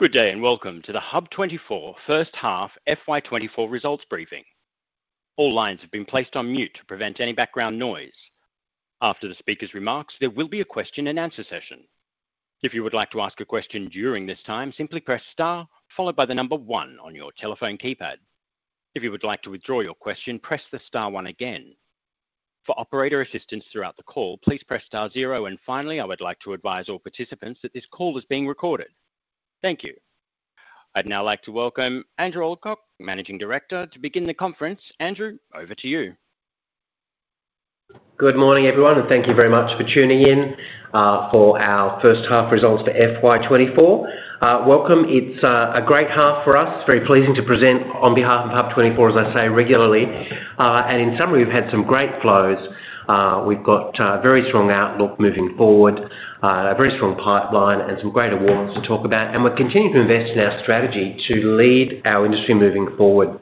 Good day and welcome to the HUB24 first half FY 2024 results briefing. All lines have been placed on mute to prevent any background noise. After the speaker's remarks, there will be a question-and-answer session. If you would like to ask a question during this time, simply press star followed by the number one on your telephone keypad. If you would like to withdraw your question, press the star one again. For operator assistance throughout the call, please press star zero. And finally, I would like to advise all participants that this call is being recorded. Thank you. I'd now like to welcome Andrew Alcock, Managing Director, to begin the conference. Andrew, over to you. Good morning, everyone, and thank you very much for tuning in for our first half results for FY24. Welcome. It's a great half for us. Very pleasing to present on behalf of HUB24, as I say regularly. In summary, we've had some great flows. We've got a very strong outlook moving forward, a very strong pipeline, and some great awards to talk about. We're continuing to invest in our strategy to lead our industry moving forward.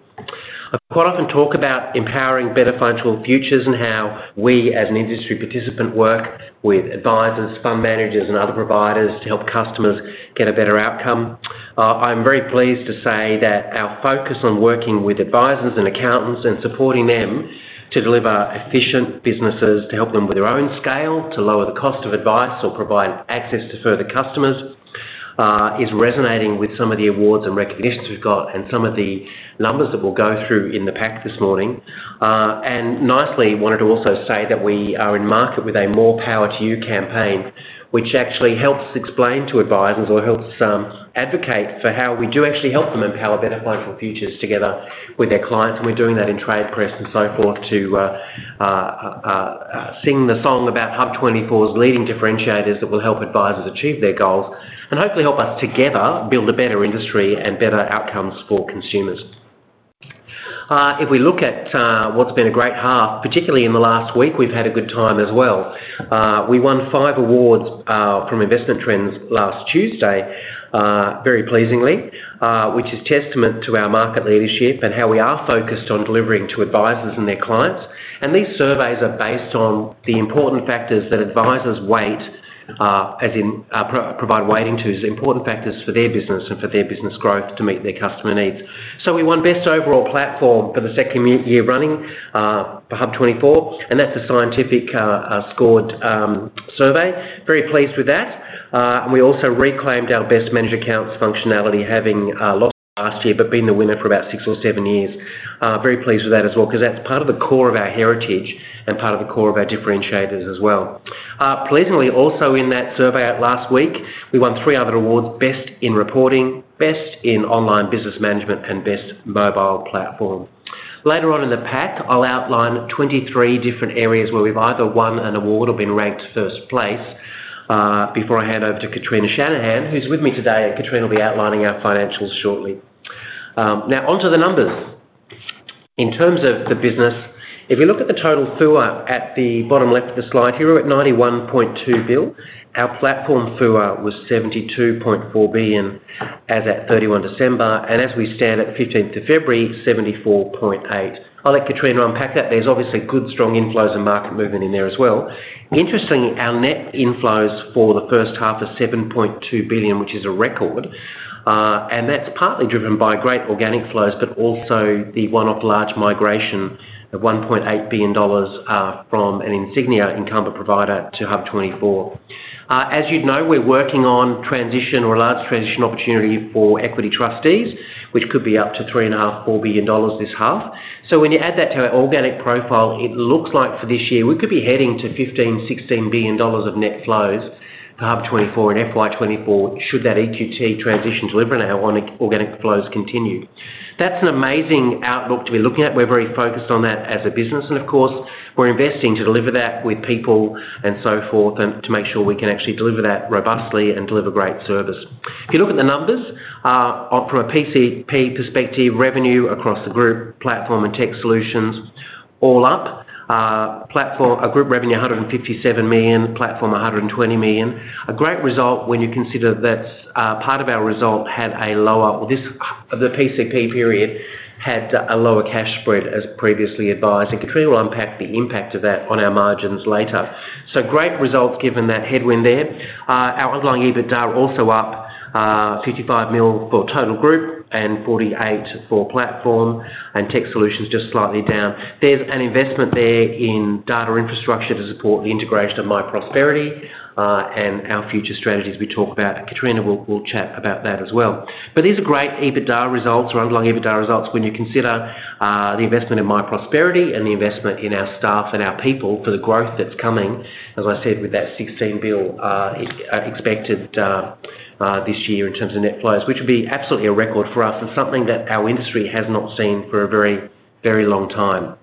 I quite often talk about empowering better financial futures and how we, as an industry participant, work with Advisers, fund managers, and other providers to help customers get a better outcome. I'm very pleased to say that our focus on working with Advisers and accountants and supporting them to deliver efficient businesses, to help them with their own scale, to lower the cost of advice or provide access to further customers, is resonating with some of the awards and recognitions we've got and some of the numbers that will go through in the pack this morning. And nicely, I wanted to also say that we are in market with a More Power to You campaign, which actually helps explain to Advisers or helps advocate for how we do actually help them empower better financial futures together with their clients. And we're doing that in trade press and so forth to sing the song about HUB24's leading differentiators that will help Advisers achieve their goals and hopefully help us together build a better industry and better outcomes for consumers. If we look at what's been a great half, particularly in the last week, we've had a good time as well. We won five awards from Investment Trends last Tuesday, very pleasingly, which is testament to our market leadership and how we are focused on delivering to Advisers and their clients. And these surveys are based on the important factors that Advisers weight as in provide weighting to as important factors for their business and for their business growth to meet their customer needs. So we won Best Overall Platform for the second year running for HUB24, and that's a scientific scored survey. Very pleased with that. And we also reclaimed our Best Managed Accounts functionality, having lost it last year but been the winner for about six or seven years. Very pleased with that as well because that's part of the core of our heritage and part of the core of our differentiators as well. Pleasingly, also in that survey last week, we won three other awards: Best in Reporting, Best in Online Business Management, and Best Mobile Platform. Later on in the pack, I'll outline 23 different areas where we've either won an award or been ranked first place before I hand over to Kitrina Shanahan, who's with me today. Kitrina will be outlining our financials shortly. Now, onto the numbers. In terms of the business, if you look at the total FUA at the bottom left of the slide here, we're at 91.2 billion. Our platform FUA was 72.4 billion as at 31 December, and as we stand at 15th February, 74.8 billion. I'll let Kitrina unpack that. There's obviously good, strong inflows and market movement in there as well. Interestingly, our net inflows for the first half are 7.2 billion, which is a record. And that's partly driven by great organic flows but also the one-off large migration of 1.8 billion dollars from an Insignia incumbent provider to HUB24. As you'd know, we're working on transition or a large transition opportunity for Equity Trustees, which could be up to 3.5 billion-$4 billion this half. So when you add that to our organic profile, it looks like for this year, we could be heading to AUD 15-$16 billion of net flows for HUB24 and FY24 should that EQT transition deliver and our organic flows continue. That's an amazing outlook to be looking at. We're very focused on that as a business. Of course, we're investing to deliver that with people and so forth and to make sure we can actually deliver that robustly and deliver great service. If you look at the numbers from a PCP perspective, revenue across the group, platform, and tech solutions, all up: group revenue 157 million, platform 120 million. A great result when you consider that part of our result had a lower well, the PCP period had a lower cash spread as previously advised. And Kitrina will unpack the impact of that on our margins later. So great results given that headwind there. Our underlying EBITDA are also up, 55 million for total group and 48 million for platform and tech solutions, just slightly down. There's an investment there in data infrastructure to support the integration of myprosperity and our future strategies we talk about. And Kitrina will chat about that as well. But these are great EBITDA results or underlying EBITDA results when you consider the investment in myprosperity and the investment in our staff and our people for the growth that's coming, as I said, with that 16 billion expected this year in terms of net flows, which would be absolutely a record for us and something that our industry has not seen for a very, very long time.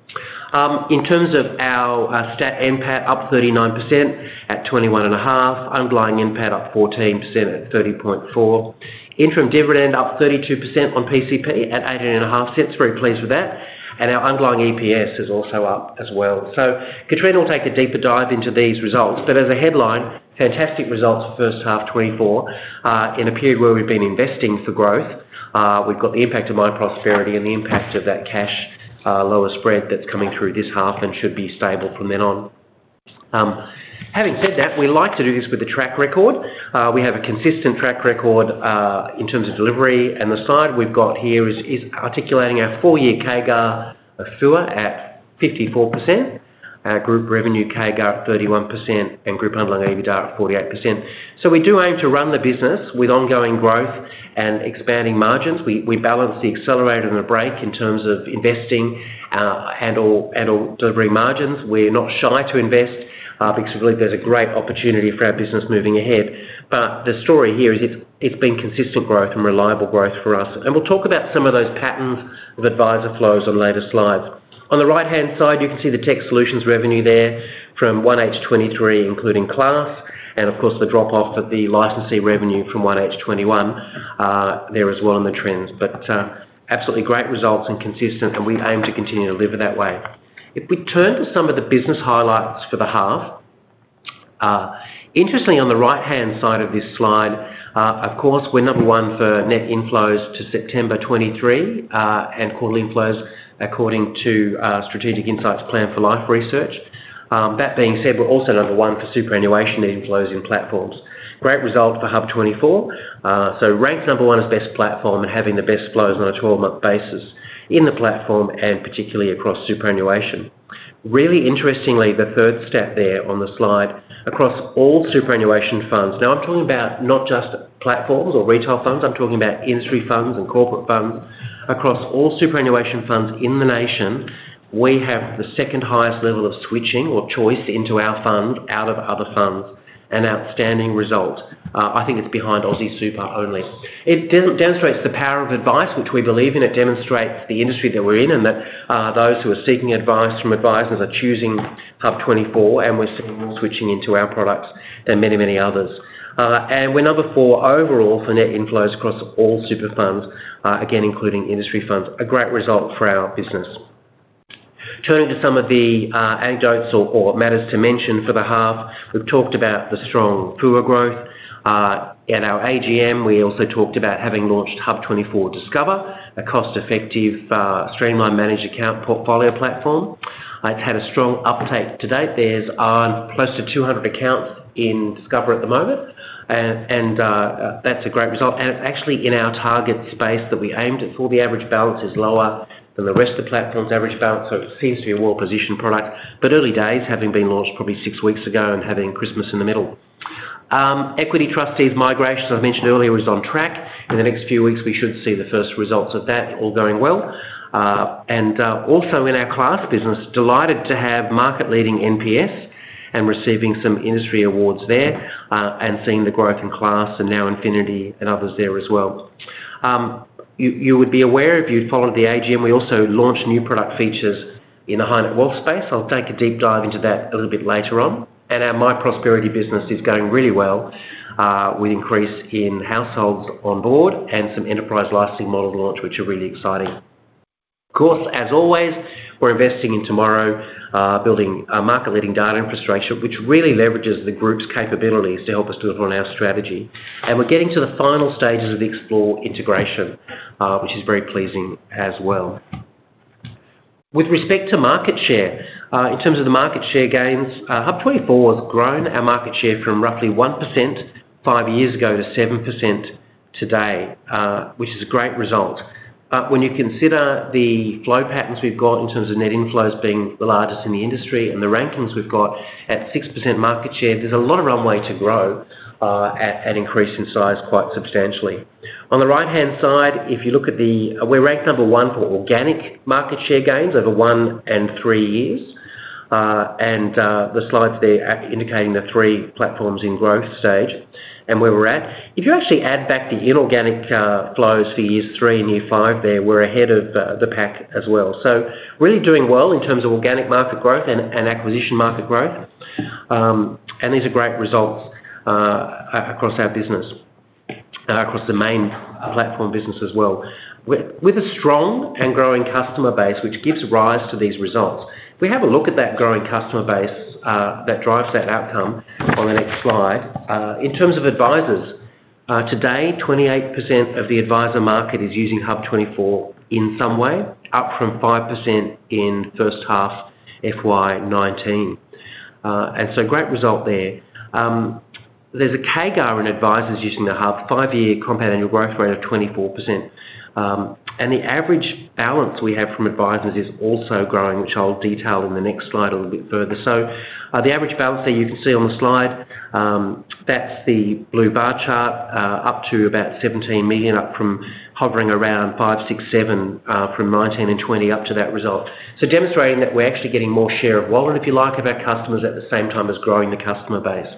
In terms of our stats, NPAT up 39% at 21.5%, underlying NPAT up 14% at 30.4%, interim dividend up 32% on PCP at 8.5%. Very pleased with that. And our underlying EPS is also up as well. So Kitrina will take a deeper dive into these results. But as a headline, fantastic results for first half 2024 in a period where we've been investing for growth. We've got the impact of myprosperity and the impact of that cash lower spread that's coming through this half and should be stable from then on. Having said that, we like to do this with a track record. We have a consistent track record in terms of delivery. And the slide we've got here is articulating our four-year CAGR of FUA at 54%, our group revenue CAGR at 31%, and group underlying EBITDA at 48%. So we do aim to run the business with ongoing growth and expanding margins. We balance the accelerator and the brake in terms of investing and/or delivering margins. We're not shy to invest because we believe there's a great opportunity for our business moving ahead. But the story here is it's been consistent growth and reliable growth for us. And we'll talk about some of those patterns of Adviser flows on later slides. On the right-hand side, you can see the tech solutions revenue there from 1H23, including Class, and of course, the drop-off for the licensee revenue from 1H21 there as well in the trends. Absolutely great results and consistent. We aim to continue to deliver that way. If we turn to some of the business highlights for the half, interestingly, on the right-hand side of this slide, of course, we're number one for net inflows to September 2023 and quarterly inflows according to Plan For Life research. That being said, we're also number one for superannuation inflows in platforms. Great result for HUB24. Ranked number one as best platform and having the best flows on a 12-month basis in the platform and particularly across superannuation. Really interestingly, the third step there on the slide, across all superannuation funds now, I'm talking about not just platforms or retail funds. I'm talking about industry funds and corporate funds. Across all superannuation funds in the nation, we have the second-highest level of switching or choice into our fund out of other funds and outstanding result. I think it's behind AustralianSuper only. It demonstrates the power of advice, which we believe in. It demonstrates the industry that we're in and that those who are seeking advice from Advisers are choosing HUB24. And we're seeing more switching into our products than many, many others. And we're number four overall for net inflows across all super funds, again, including industry funds. A great result for our business. Turning to some of the anecdotes or matters to mention for the half, we've talked about the strong FUA growth at our AGM. We also talked about having launched HUB24 Discover, a cost-effective, streamlined managed account portfolio platform. It's had a strong uptake to date. There's close to 200 accounts in Discover at the moment. And that's a great result. And it's actually in our target space that we aimed. It's all the average balance is lower than the rest of the platform's average balance. So it seems to be a well-positioned product, but early days, having been launched probably six weeks ago and having Christmas in the middle. Equity Trustees migration, as I mentioned earlier, is on track. In the next few weeks, we should see the first results of that all going well. And also in our Class business, delighted to have market-leading NPS and receiving some industry awards there and seeing the growth in Class and NowInfinity and others there as well. You would be aware if you'd followed the AGM. We also launched new product features in the high-net-worth space. I'll take a deep dive into that a little bit later on. Our myprosperity business is going really well with increase in households on board and some enterprise licensing model launch, which are really exciting. Of course, as always, we're investing in tomorrow, building market-leading data infrastructure, which really leverages the group's capabilities to help us build on our strategy. We're getting to the final stages of the Xplore integration, which is very pleasing as well. With respect to market share, in terms of the market share gains, HUB24 has grown our market share from roughly 1% five years ago to 7% today, which is a great result. When you consider the flow patterns we've got in terms of net inflows being the largest in the industry and the rankings we've got at 6% market share, there's a lot of runway to grow and increase in size quite substantially. On the right-hand side, if you look at, we're ranked number one for organic market share gains over one and three years. The slides there are indicating the three platforms in growth stage and where we're at. If you actually add back the inorganic flows for years three and year five there, we're ahead of the pack as well. So really doing well in terms of organic market growth and acquisition market growth. These are great results across our business, across the main platform business as well, with a strong and growing customer base, which gives rise to these results. If we have a look at that growing customer base that drives that outcome on the next slide, in terms of Advisers, today, 28% of the Adviser market is using HUB24 in some way, up from 5% in first half FY2019. So great result there. There's a CAGR in Advisers using the HUB, five-year compound annual growth rate of 24%. The average balance we have from Advisers is also growing, which I'll detail in the next slide a little bit further. So the average balance there, you can see on the slide, that's the blue bar chart, up to about 17 million, up from hovering around 5 million, 6 million, 7 million from 2019 and 2020 up to that result, so demonstrating that we're actually getting more share of wallet, if you like, of our customers at the same time as growing the customer base.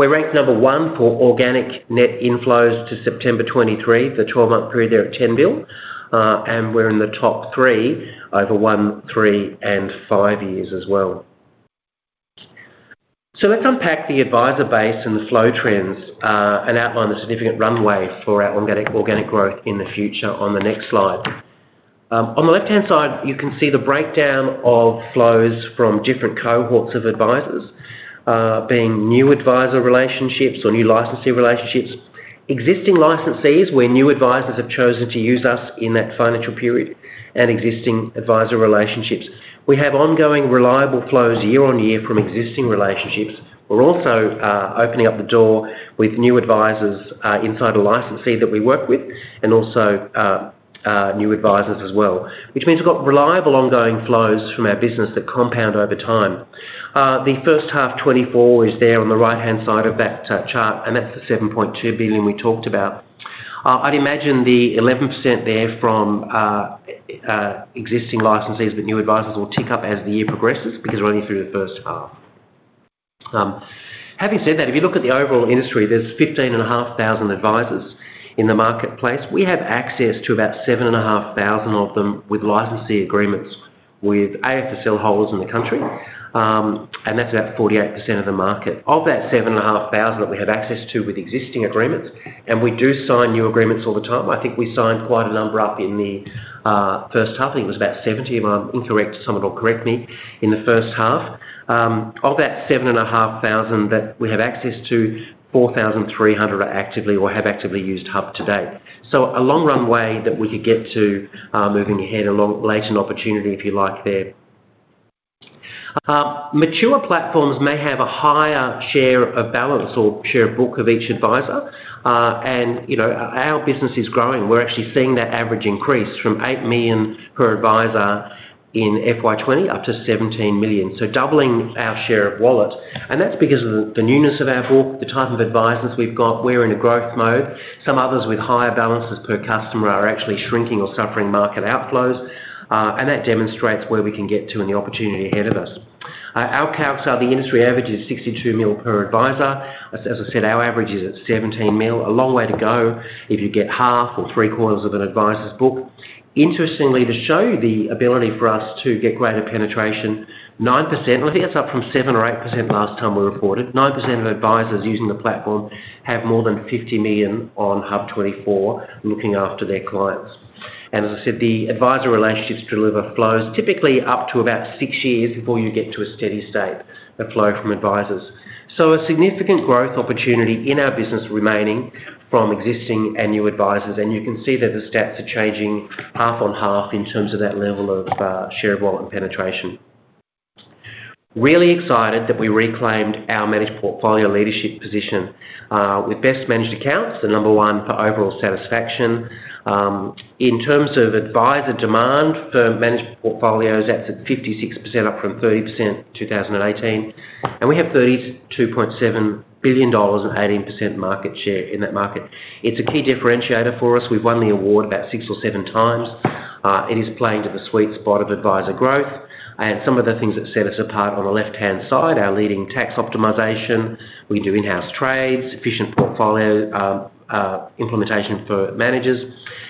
We're ranked number one for organic net inflows to September 2023, the 12-month period there at AUD 10 billion. And we're in the top three over one, three, and five years as well. So let's unpack the Adviser base and the flow trends and outline the significant runway for our organic growth in the future on the next slide. On the left-hand side, you can see the breakdown of flows from different cohorts of Advisers, being new Adviser relationships or new licensee relationships, existing licensees where new Advisers have chosen to use us in that financial period, and existing Adviser relationships. We have ongoing reliable flows year-on-year from existing relationships. We're also opening up the door with new Advisers inside a licensee that we work with and also new Advisers as well, which means we've got reliable ongoing flows from our business that compound over time. The first half 2024 is there on the right-hand side of that chart. That's the 7.2 billion we talked about. I'd imagine the 11% there from existing licensees but new Advisers will tick up as the year progresses because we're only through the first half. Having said that, if you look at the overall industry, there's 15,500 Advisers in the marketplace. We have access to about 7,500 of them with licensee agreements with AFSL holders in the country. That's about 48% of the market. Of that 7,500 that we have access to with existing agreements and we do sign new agreements all the time, I think we signed quite a number up in the first half. I think it was about 70. If I'm incorrect, someone will correct me in the first half. Of that 7,500 that we have access to, 4,300 are actively or have actively used HUB to date. So a long runway that we could get to moving ahead, a latent opportunity, if you like, there. Mature platforms may have a higher share of balance or share of book of each Adviser. Our business is growing. We're actually seeing that average increase from 8 million per Adviser in FY 2020 up to 17 million, so doubling our share of wallet. That's because of the newness of our book, the type of Advisers we've got. We're in a growth mode. Some others with higher balances per customer are actually shrinking or suffering market outflows. That demonstrates where we can get to and the opportunity ahead of us. Our calcs are the industry average is 62 million per Adviser. As I said, our average is at 17 million. A long way to go if you get half or three-quarters of an Adviser's book. Interestingly, to show the ability for us to get greater penetration, 9% and I think it's up from 7% or 8% last time we reported, 9% of Advisers using the platform have more than 50 million on HUB24 looking after their clients. As I said, the Adviser relationships deliver flows typically up to about six years before you get to a steady state of flow from Advisers. So a significant growth opportunity in our business remaining from existing and new Advisers. You can see that the stats are changing half-on-half in terms of that level of share of wallet and penetration. Really excited that we reclaimed our managed portfolio leadership position with best managed accounts, the number one for overall satisfaction. In terms of Adviser demand for managed portfolios, that's at 56%, up from 30% in 2018. We have 32.7 billion dollars and 18% market share in that market. It's a key differentiator for us. We've won the award about 6x or 7x. It is playing to the sweet spot of Adviser growth and some of the things that set us apart on the left-hand side, our leading tax optimization. We do in-house trades, efficient portfolio implementation for managers,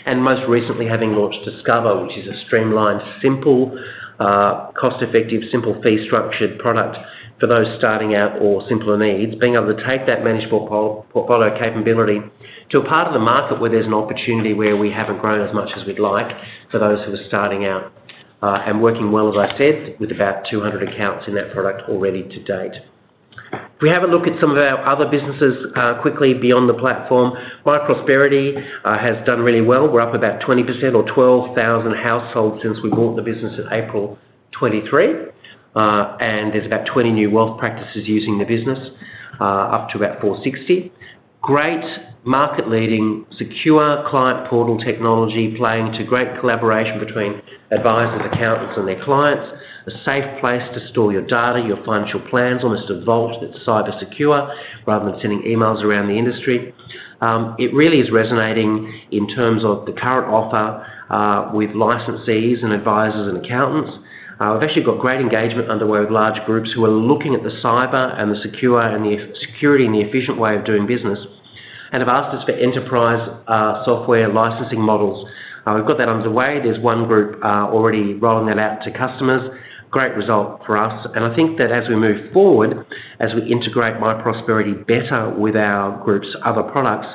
and most recently, having launched Discover, which is a streamlined, simple, cost-effective, simple fee-structured product for those starting out or simpler needs, being able to take that managed portfolio capability to a part of the market where there's an opportunity where we haven't grown as much as we'd like for those who are starting out and working well, as I said, with about 200 accounts in that product already to date. If we have a look at some of our other businesses quickly beyond the platform, myprosperity has done really well. We're up about 20% or 12,000 households since we bought the business in April 2023. There's about 20 new wealth practices using the business, up to about 460. Great market-leading, secure client portal technology playing to great collaboration between Advisers, accountants, and their clients, a safe place to store your data, your financial plans, almost a vault that's cybersecure rather than sending emails around the industry. It really is resonating in terms of the current offer with licensees and Advisers and accountants. We've actually got great engagement underway with large groups who are looking at the cyber and the secure and the security and the efficient way of doing business and have asked us for enterprise software licensing models. We've got that underway. There's one group already rolling that out to customers. Great result for us. I think that as we move forward, as we integrate myprosperity better with our group's other products,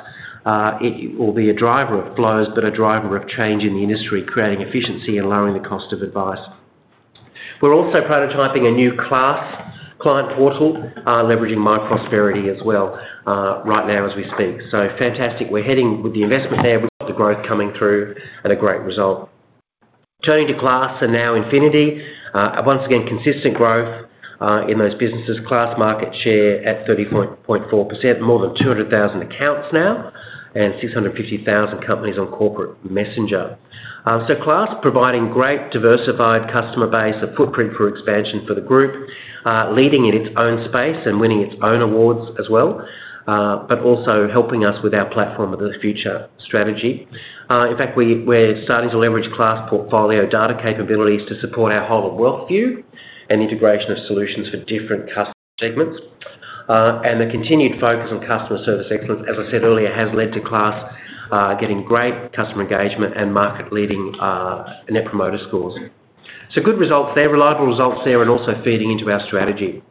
it will be a driver of flows but a driver of change in the industry, creating efficiency and lowering the cost of advice. We're also prototyping a new Class client portal, leveraging myprosperity as well right now as we speak. Fantastic. We're heading with the investment there. We've got the growth coming through and a great result. Turning to Class and NowInfinity, once again, consistent growth in those businesses, Class market share at 30.4%, more than 200,000 accounts now, and 650,000 companies on Corporate Messenger. So Class providing great diversified customer base, a footprint for expansion for the group, leading in its own space and winning its own awards as well, but also helping us with our platform of the future strategy. In fact, we're starting to leverage Class portfolio data capabilities to support our whole of wealth view and integration of solutions for different customer segments. And the continued focus on customer service excellence, as I said earlier, has led to Class getting great customer engagement and market-leading Net Promoter Scores. So good results there, reliable results there, and also feeding into our strategy.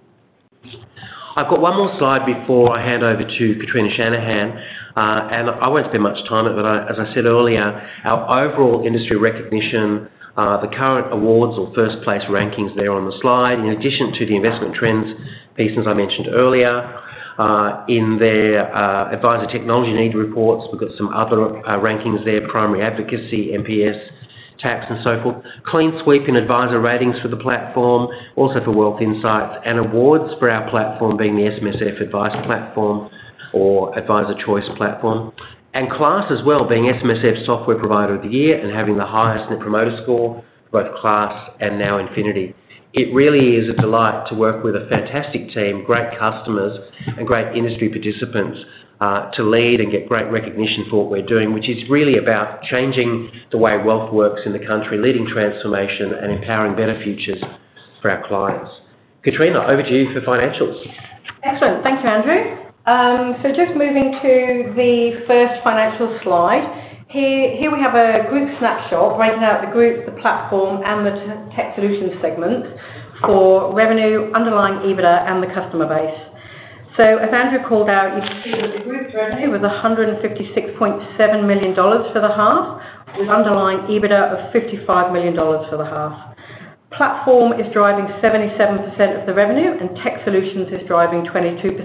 I've got one more slide before I hand over to Kitrina Shanahan. And I won't spend much time on it. But as I said earlier, our overall industry recognition, the current awards or first-place rankings there on the slide, in addition to the Investment Trends pieces I mentioned earlier, in their Adviser Technology Needs Report, we've got some other rankings there, primary advocacy, MPS, tax, and so forth, clean sweep in Adviser Ratings for the platform, also for Wealth Insights, and awards for our platform being the SMSF Advice Platform or Adviser Choice Platform, and Class as well being SMSF Software Provider of the Year and having the highest Net Promoter Score for both Class and NowInfinity. It really is a delight to work with a fantastic team, great customers, and great industry participants to lead and get great recognition for what we're doing, which is really about changing the way wealth works in the country, leading transformation, and empowering better futures for our clients. Kitrina, over to you for financials. Excellent. Thank you, Andrew. Just moving to the first financial slide, here we have a group snapshot breaking out the groups, the platform, and the tech solutions segments for revenue, underlying EBITDA, and the customer base. As Andrew called out, you can see that the group's revenue was 156.7 million dollars for the half with underlying EBITDA of 55 million dollars for the half. Platform is driving 77% of the revenue, and tech solutions is driving 22%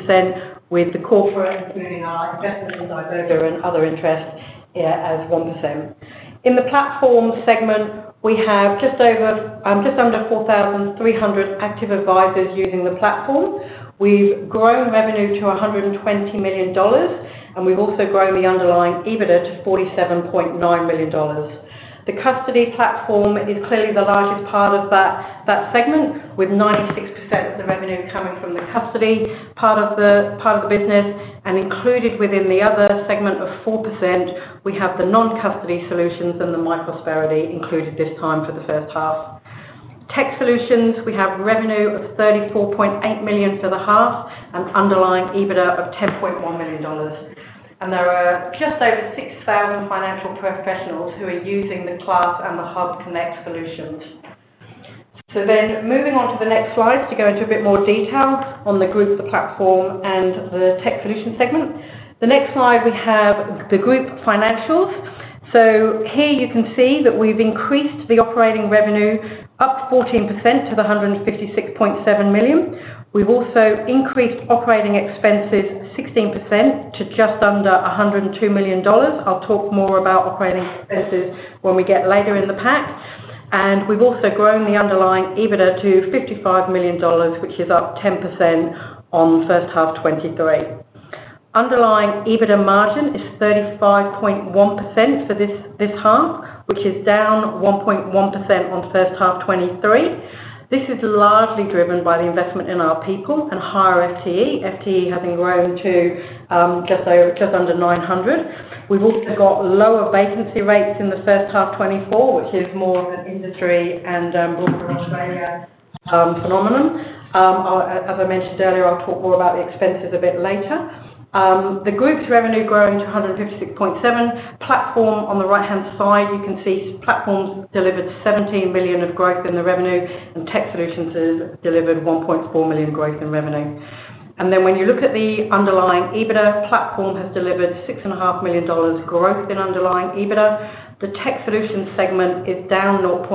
with the corporate, including our investment in Diverger and other interests here as 1%. In the platform segment, we have just under 4,300 active Advisers using the platform. We've grown revenue to 120 million dollars, and we've also grown the underlying EBITDA to 47.9 million dollars. The custody platform is clearly the largest part of that segment, with 96% of the revenue coming from the custody part of the business. And included within the other segment of 4%, we have the non-custody solutions and the myprosperity included this time for the first half. Tech solutions, we have revenue of 34.8 million for the half and underlying EBITDA of 10.1 million dollars. And there are just over 6,000 financial professionals who are using the Class and the HUBconnect solutions. So then moving on to the next slides to go into a bit more detail on the group, the platform, and the tech solution segment, the next slide, we have the group financials. So here you can see that we've increased the operating revenue up 14% to 156.7 million. We've also increased operating expenses 16% to just under 102 million dollars. I'll talk more about operating expenses when we get later in the pack. We've also grown the underlying EBITDA to 55 million dollars, which is up 10% on first half 2023. Underlying EBITDA margin is 35.1% for this half, which is down 1.1% on first half 2023. This is largely driven by the investment in our people and higher FTE, FTE having grown to just under 900. We've also got lower vacancy rates in the first half 2024, which is more of an industry and broader Australia phenomenon. As I mentioned earlier, I'll talk more about the expenses a bit later. The group's revenue growing to 156.7 million. Platform on the right-hand side, you can see platforms delivered 17 million of growth in the revenue, and tech solutions has delivered 1.4 million growth in revenue. Then when you look at the underlying EBITDA, platform has delivered 6.5 million dollars growth in underlying EBITDA. The tech solutions segment is down 0.4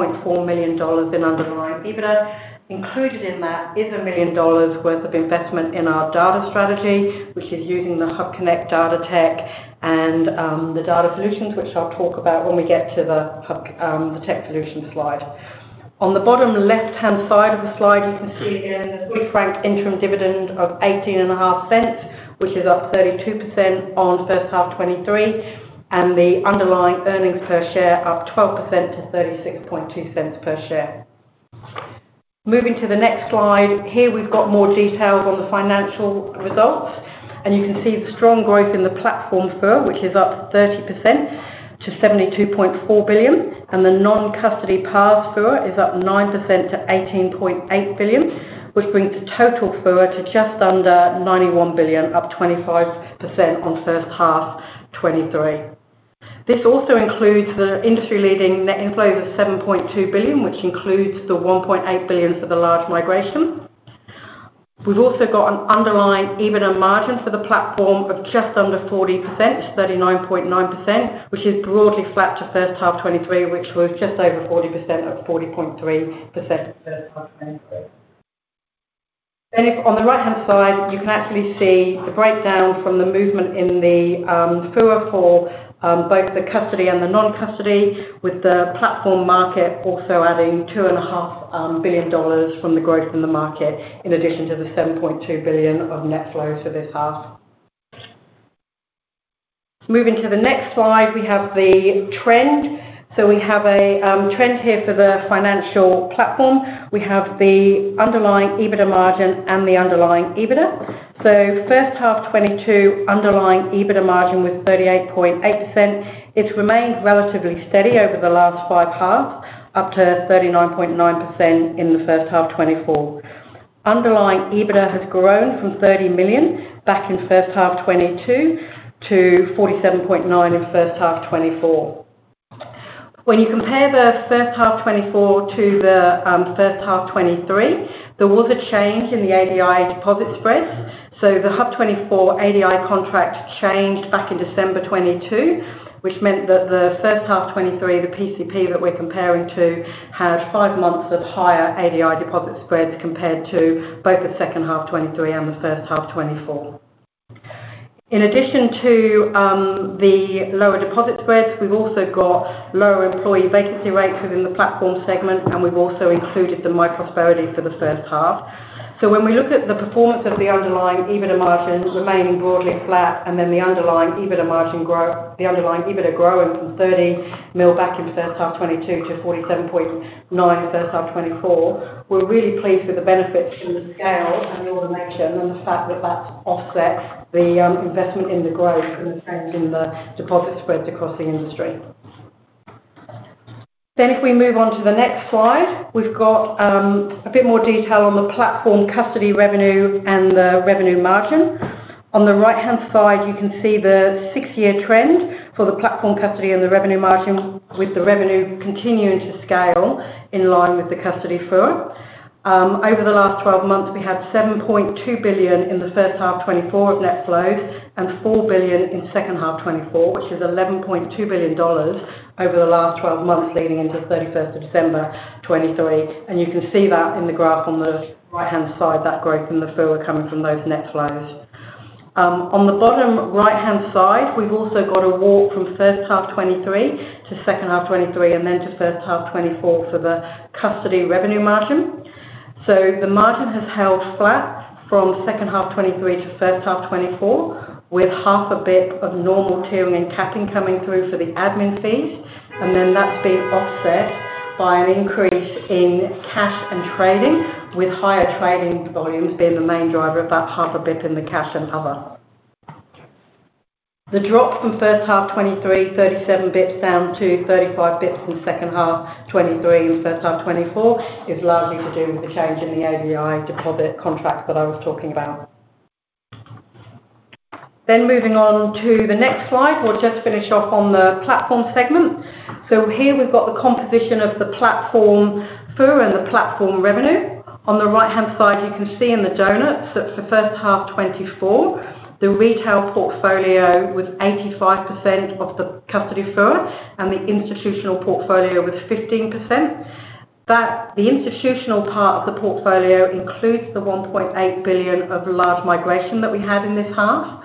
million dollars in underlying EBITDA. Included in that is 1 million dollars worth of investment in our data strategy, which is using the HUBconnect data tech and the data solutions, which I'll talk about when we get to the tech solution slide. On the bottom left-hand side of the slide, you can see again the fully franked interim dividend of 0.185, which is up 32% on first half 2023, and the underlying earnings per share up 12% to 0.362 per share. Moving to the next slide, here we've got more details on the financial results. You can see the strong growth in the platform FUA, which is up 30% to 72.4 billion. And the non-custody PARS FUA is up 9% to 18.8 billion, which brings the total FUA to just under 91 billion, up 25% on first half 2023. This also includes the industry-leading net inflows of 7.2 billion, which includes the 1.8 billion for the large migration. We've also got an underlying EBITDA margin for the platform of just under 40% to 39.9%, which is broadly flat to first half 2023, which was just over 40% of 40.3% first half 2023. Then on the right-hand side, you can actually see the breakdown from the movement in the FUA for both the custody and the non-custody, with the platform market also adding 2.5 billion dollars from the growth in the market in addition to the 7.2 billion of net flows for this half. Moving to the next slide, we have the trend. So we have a trend here for the financial platform. We have the underlying EBITDA margin and the underlying EBITDA. So first half 2022, underlying EBITDA margin was 38.8%. It's remained relatively steady over the last five halves, up to 39.9% in the first half 2024. Underlying EBITDA has grown from 30 million back in first half 2022 to 47.9 million in first half 2024. When you compare the first half 2024 to the first half 2023, there was a change in the ADI deposit spreads. So the HUB24 ADI contract changed back in December 2022, which meant that the first half 2023, the PCP that we're comparing to, had five months of higher ADI deposit spreads compared to both the second half 2023 and the first half 2024. In addition to the lower deposit spreads, we've also got lower employee vacancy rates within the platform segment, and we've also included the myprosperity for the first half. So when we look at the performance of the underlying EBITDA margin remaining broadly flat and then the underlying EBITDA margin, the underlying EBITDA growing from 30 million back in first half 2022 to 47.9 million in first half 2024, we're really pleased with the benefits from the scale and the automation and the fact that that offsets the investment in the growth and the trend in the deposit spreads across the industry. Then if we move on to the next slide, we've got a bit more detail on the platform custody revenue and the revenue margin. On the right-hand side, you can see the six-year trend for the platform custody and the revenue margin with the revenue continuing to scale in line with the custody FUA. Over the last 12 months, we had 7.2 billion in the first half 2024 of net flows and 4 billion in second half 2024, which is 11.2 billion dollars over the last 12 months leading into 31st of December 2023. You can see that in the graph on the right-hand side, that growth in the FUA coming from those net flows. On the bottom right-hand side, we've also got a chart from first half 2023 to second half 2023 and then to first half 2024 for the custody revenue margin. So the margin has held flat from second half 2023 to first half 2024 with 0.5 basis point of normal tiering and capping coming through for the admin fees. Then that's been offset by an increase in cash and trading with higher trading volumes being the main driver of that 0.5 basis point in the cash and other. The drop from first half 2023, 37 basis points down to 35 basis points in second half 2023 and first half 2024 is largely to do with the change in the ADI deposit contract that I was talking about. Then moving on to the next slide, we'll just finish off on the platform segment. So here we've got the composition of the platform FUA and the platform revenue. On the right-hand side, you can see in the donuts for first half 2024, the retail portfolio was 85% of the custody FUA and the institutional portfolio was 15%. The institutional part of the portfolio includes the 1.8 billion of large migration that we had in this half.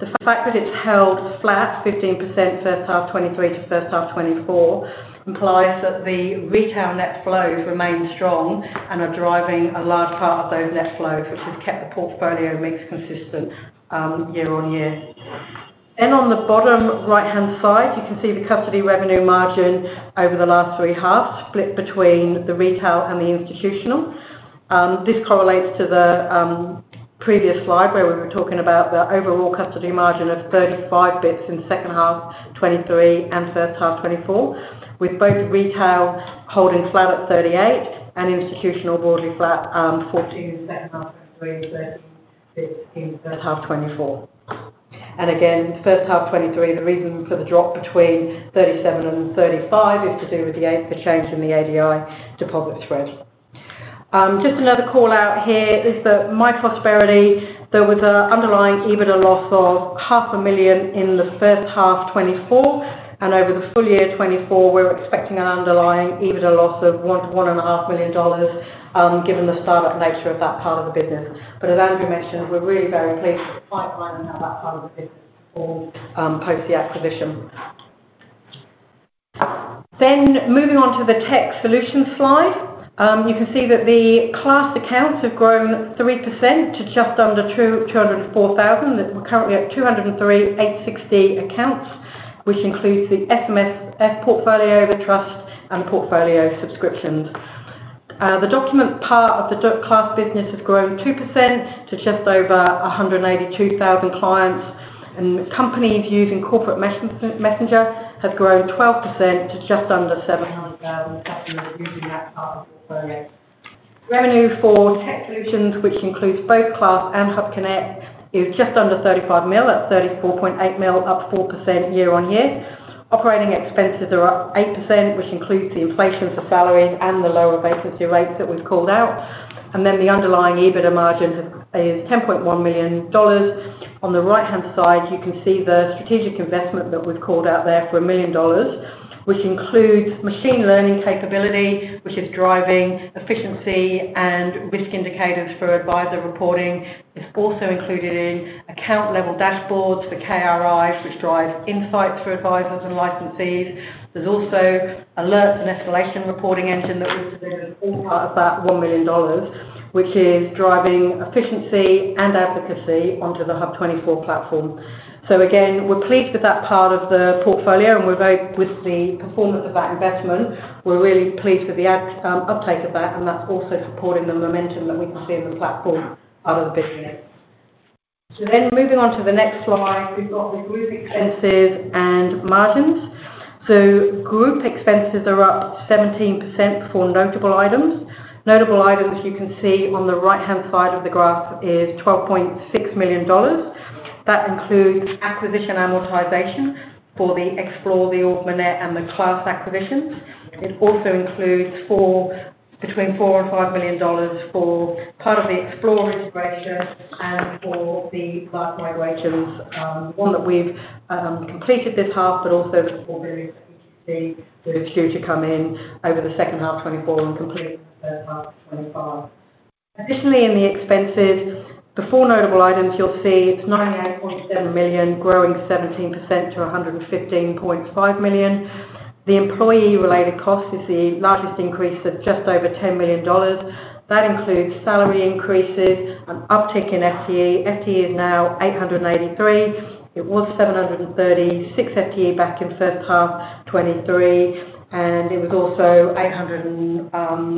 The fact that it's held flat, 15% first half 2023 to first half 2024, implies that the retail net flows remain strong and are driving a large part of those net flows, which has kept the portfolio mix consistent year-on-year. Then on the bottom right-hand side, you can see the custody revenue margin over the last three halves split between the retail and the institutional. This correlates to the previous slide where we were talking about the overall custody margin of 35 basis points in second half 2023 and first half 2024, with both retail holding flat at 38 and institutional broadly flat, 14 in second half 2023 and 13 basis points in first half 2024. And again, first half 2023, the reason for the drop between 37 and 35 is to do with the change in the ADI deposit spread. Just another call out here is that myprosperity, there was an underlying EBITDA loss of 0.5 million in the first half 2024. Over the full year 2024, we're expecting an underlying EBITDA loss of 1.5 million dollars given the startup nature of that part of the business. But as Andrew mentioned, we're really very pleased with the pipeline and how that part of the business performed post the acquisition. Moving on to the tech solutions slide, you can see that the Class accounts have grown 3% to just under 204,000. We're currently at 203,860 accounts, which includes the SMSF portfolio, the trust, and the portfolio subscriptions. The document part of the Class business has grown 2% to just over 182,000 clients. And companies using Corporate Messenger have grown 12% to just under. 100,000 customers using that part of the portfolio. Revenue for tech solutions, which includes both Class and HUBconnect, is just under 35 million at 34.8 million, up 4% year-on-year. Operating expenses are up 8%, which includes the inflation for salaries and the lower vacancy rates that we've called out. Then the underlying EBITDA margin is 10.1 million dollars. On the right-hand side, you can see the strategic investment that we've called out there for 1 million dollars, which includes machine learning capability, which is driving efficiency and risk indicators for Adviser reporting. It's also included in account-level dashboards for KRIs, which drive insights for Advisers and licensees. There's also alerts and escalation reporting engine that we've delivered all part of that 1 million dollars, which is driving efficiency and advocacy onto the HUB24 platform. So again, we're pleased with that part of the portfolio and with the performance of that investment. We're really pleased with the uptake of that, and that's also supporting the momentum that we can see in the platform out of the business. So then moving on to the next slide, we've got the group expenses and margins. So group expenses are up 17% for notable items. Notable items, you can see on the right-hand side of the graph, is 12.6 million dollars. That includes acquisition amortization for the Xplore, the Ord Minnett, and the Class acquisitions. It also includes between 4 million and 5 million dollars for part of the Xplore integration and for the large migrations, one that we've completed this half, but also the portfolio that you can see that is due to come in over the second half 2024 and complete the first half 2025. Additionally, in the expenses, the four notable items, you'll see it's 98.7 million, growing 17% to 115.5 million. The employee-related cost is the largest increase of just over 10 million dollars. That includes salary increases, an uptick in FTE. FTE is now 883. It was 736 FTE back in first half 2023. It was also 800 and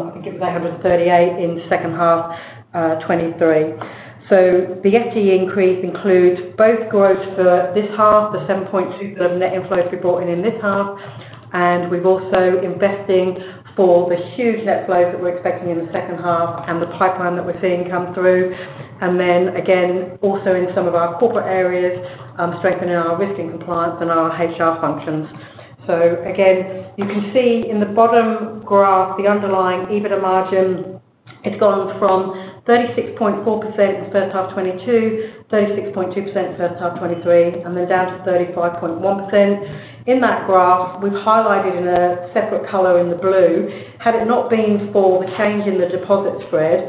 I think it was 838 in second half 2023. The FTE increase includes both growth for this half, the 7.2 billion of net inflows we've brought in in this half, and we've also investing for the huge net flows that we're expecting in the second half and the pipeline that we're seeing come through. Then again, also in some of our corporate areas, strengthening our risk and compliance and our HR functions. You can see in the bottom graph, the underlying EBITDA margin, it's gone from 36.4% in first half 2022, 36.2% first half 2023, and then down to 35.1%. In that graph, we've highlighted in a separate color in the blue, had it not been for the change in the deposit spread,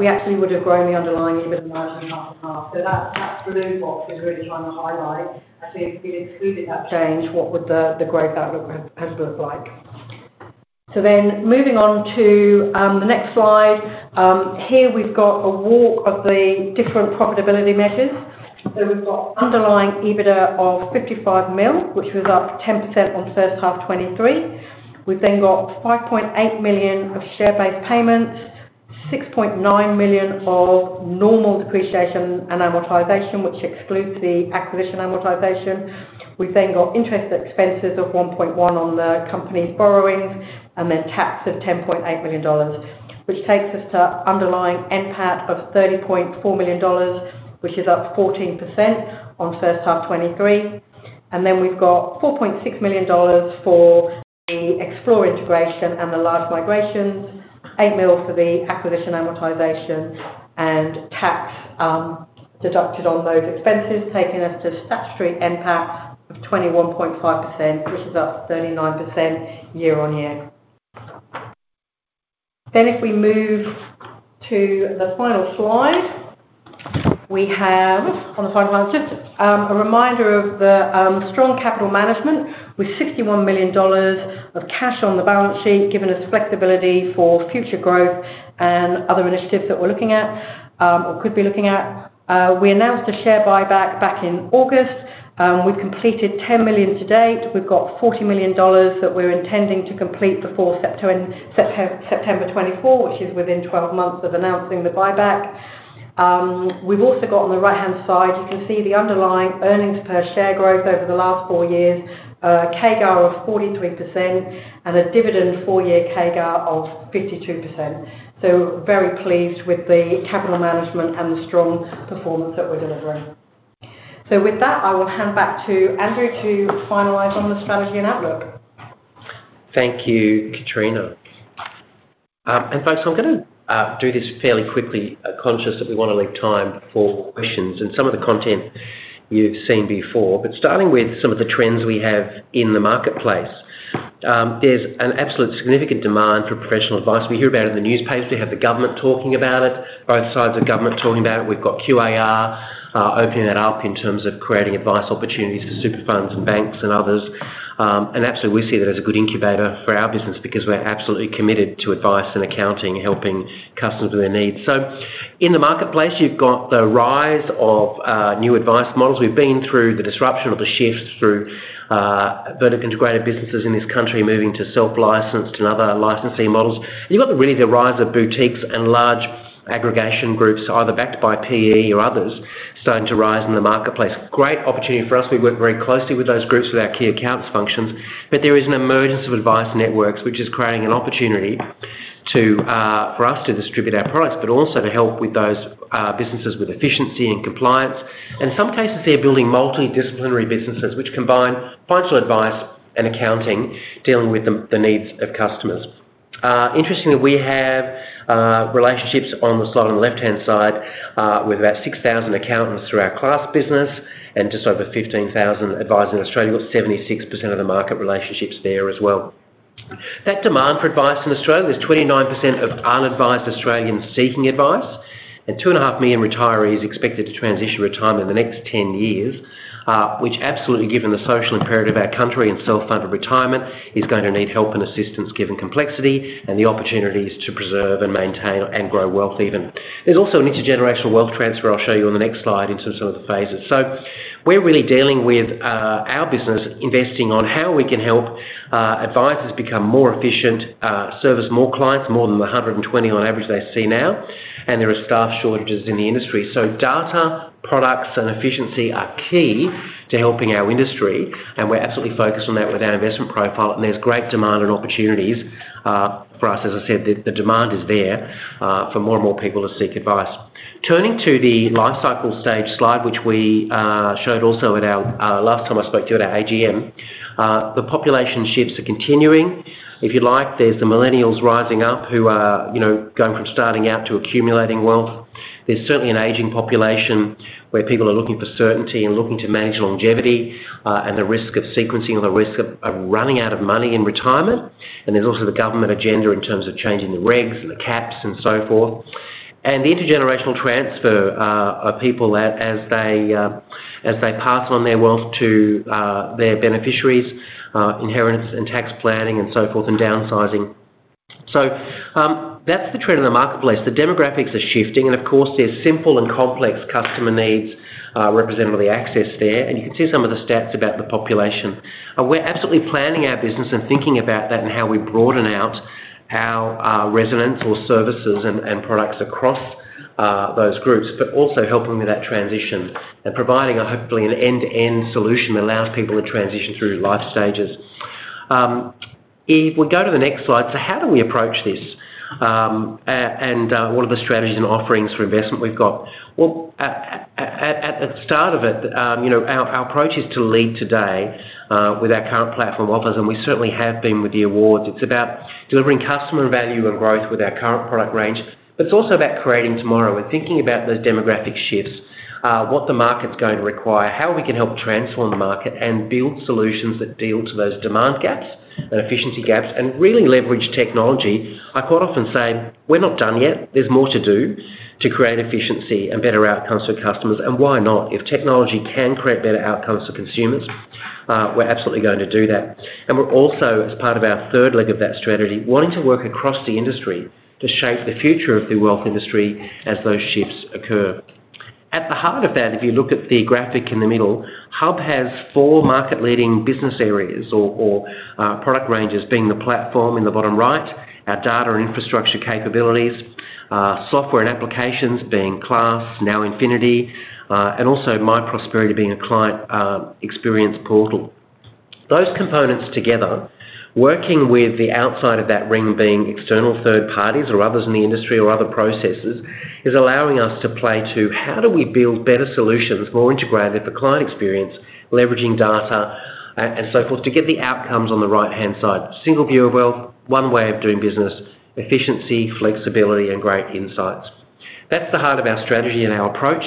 we actually would have grown the underlying EBITDA margin 50/50. So that blue box is really trying to highlight, actually, if we'd excluded that change, what would the growth outlook have looked like. So then moving on to the next slide, here we've got a wrap of the different profitability measures. So we've got underlying EBITDA of 55 million, which was up 10% on first half 2023. We've then got 5.8 million of share-based payments, 6.9 million of normal depreciation and amortization, which excludes the acquisition amortization. We've then got interest expenses of 1.1 million on the company's borrowings and then tax of 10.8 million dollars, which takes us to underlying NPAT of 30.4 million dollars, which is up 14% on first half 2023. Then we've got 4.6 million dollars for the Xplore integration and the large migrations, 8 million for the acquisition amortization, and tax deducted on those expenses, taking us to statutory NPATs of 21.5%, which is up 39% year-over-year. Then if we move to the final slide, we have on the final slide, just a reminder of the strong capital management with 61 million dollars of cash on the balance sheet giving us flexibility for future growth and other initiatives that we're looking at or could be looking at. We announced a share buyback back in August. We've completed 10 million to date. We've got 40 million dollars that we're intending to complete before September 2024, which is within 12 months of announcing the buyback. We've also got on the right-hand side, you can see the underlying earnings per share growth over the last four years, CAGR of 43%, and a dividend four-year CAGR of 52%. So very pleased with the capital management and the strong performance that we're delivering. So with that, I will hand back to Andrew to finalize on the strategy and outlook. Thank you, Kitrina. Folks, I'm going to do this fairly quickly, conscious that we want to leave time for questions and some of the content you've seen before. Starting with some of the trends we have in the marketplace, there's an absolute significant demand for professional advice. We hear about it in the newspapers. We have the government talking about it, both sides of government talking about it. We've got QAR opening that up in terms of creating advice opportunities for super funds and banks and others. We see that as a good incubator for our business because we're absolutely committed to advice and accounting, helping customers with their needs. In the marketplace, you've got the rise of new advice models. We've been through the disruption or the shift through vertical integrated businesses in this country moving to self-licensed and other licensee models. You've got really the rise of boutiques and large aggregation groups, either backed by PE or others, starting to rise in the marketplace. Great opportunity for us. We work very closely with those groups with our key accounts functions. There is an emergence of advice networks, which is creating an opportunity for us to distribute our products, but also to help with those businesses with efficiency and compliance. In some cases, they're building multidisciplinary businesses, which combine financial advice and accounting, dealing with the needs of customers. Interestingly, we have relationships on the slide on the left-hand side with about 6,000 accountants through our Class business and just over 15,000 advising in Australia. We've got 76% of the market relationships there as well. That demand for advice in Australia. There's 29% of unadvised Australians seeking advice, and 2.5 million retirees expected to transition retirement in the next 10 years, which absolutely, given the social imperative of our country and self-funded retirement, is going to need help and assistance given complexity and the opportunities to preserve and maintain and grow wealth even. There's also an intergenerational wealth transfer I'll show you on the next slide into some of the phases. So we're really dealing with our business investing on how we can help Advisers become more efficient, service more clients, more than the 120 on average they see now. And there are staff shortages in the industry. So data, products, and efficiency are key to helping our industry. And we're absolutely focused on that with our investment profile. And there's great demand and opportunities for us. As I said, the demand is there for more and more people to seek advice. Turning to the life cycle stage slide, which we showed also last time I spoke to you at our AGM, the population shifts are continuing. If you like, there's the millennials rising up who are going from starting out to accumulating wealth. There's certainly an aging population where people are looking for certainty and looking to manage longevity and the risk of sequencing or the risk of running out of money in retirement. There's also the government agenda in terms of changing the regs and the caps and so forth. The intergenerational transfer of people as they pass on their wealth to their beneficiaries, inheritance and tax planning and so forth and downsizing. That's the trend of the marketplace. The demographics are shifting. Of course, there's simple and complex customer needs representatively accessed there. You can see some of the stats about the population. We're absolutely planning our business and thinking about that and how we broaden out our residents or services and products across those groups, but also helping with that transition and providing, hopefully, an end-to-end solution that allows people to transition through life stages. If we go to the next slide, so how do we approach this and what are the strategies and offerings for investment we've got? Well, at the start of it, our approach is to lead today with our current platform offers, and we certainly have been with the awards. It's about delivering customer value and growth with our current product range. But it's also about creating tomorrow and thinking about those demographic shifts, what the market's going to require, how we can help transform the market and build solutions that deal to those demand gaps and efficiency gaps and really leverage technology. I quite often say, "We're not done yet. There's more to do to create efficiency and better outcomes for customers." And why not? If technology can create better outcomes for consumers, we're absolutely going to do that. And we're also, as part of our third leg of that strategy, wanting to work across the industry to shape the future of the wealth industry as those shifts occur. At the heart of that, if you look at the graphic in the middle, HUB has four market-leading business areas or product ranges being the platform in the bottom right, our data and infrastructure capabilities, software and applications being Class, NowInfinity, and also myprosperity being a client experience portal. Those components together, working with the outside of that ring being external third parties or others in the industry or other processes, is allowing us to play to how do we build better solutions, more integrated for client experience, leveraging data and so forth to get the outcomes on the right-hand side. Single view of wealth, one way of doing business, efficiency, flexibility, and great insights. That's the heart of our strategy and our approach,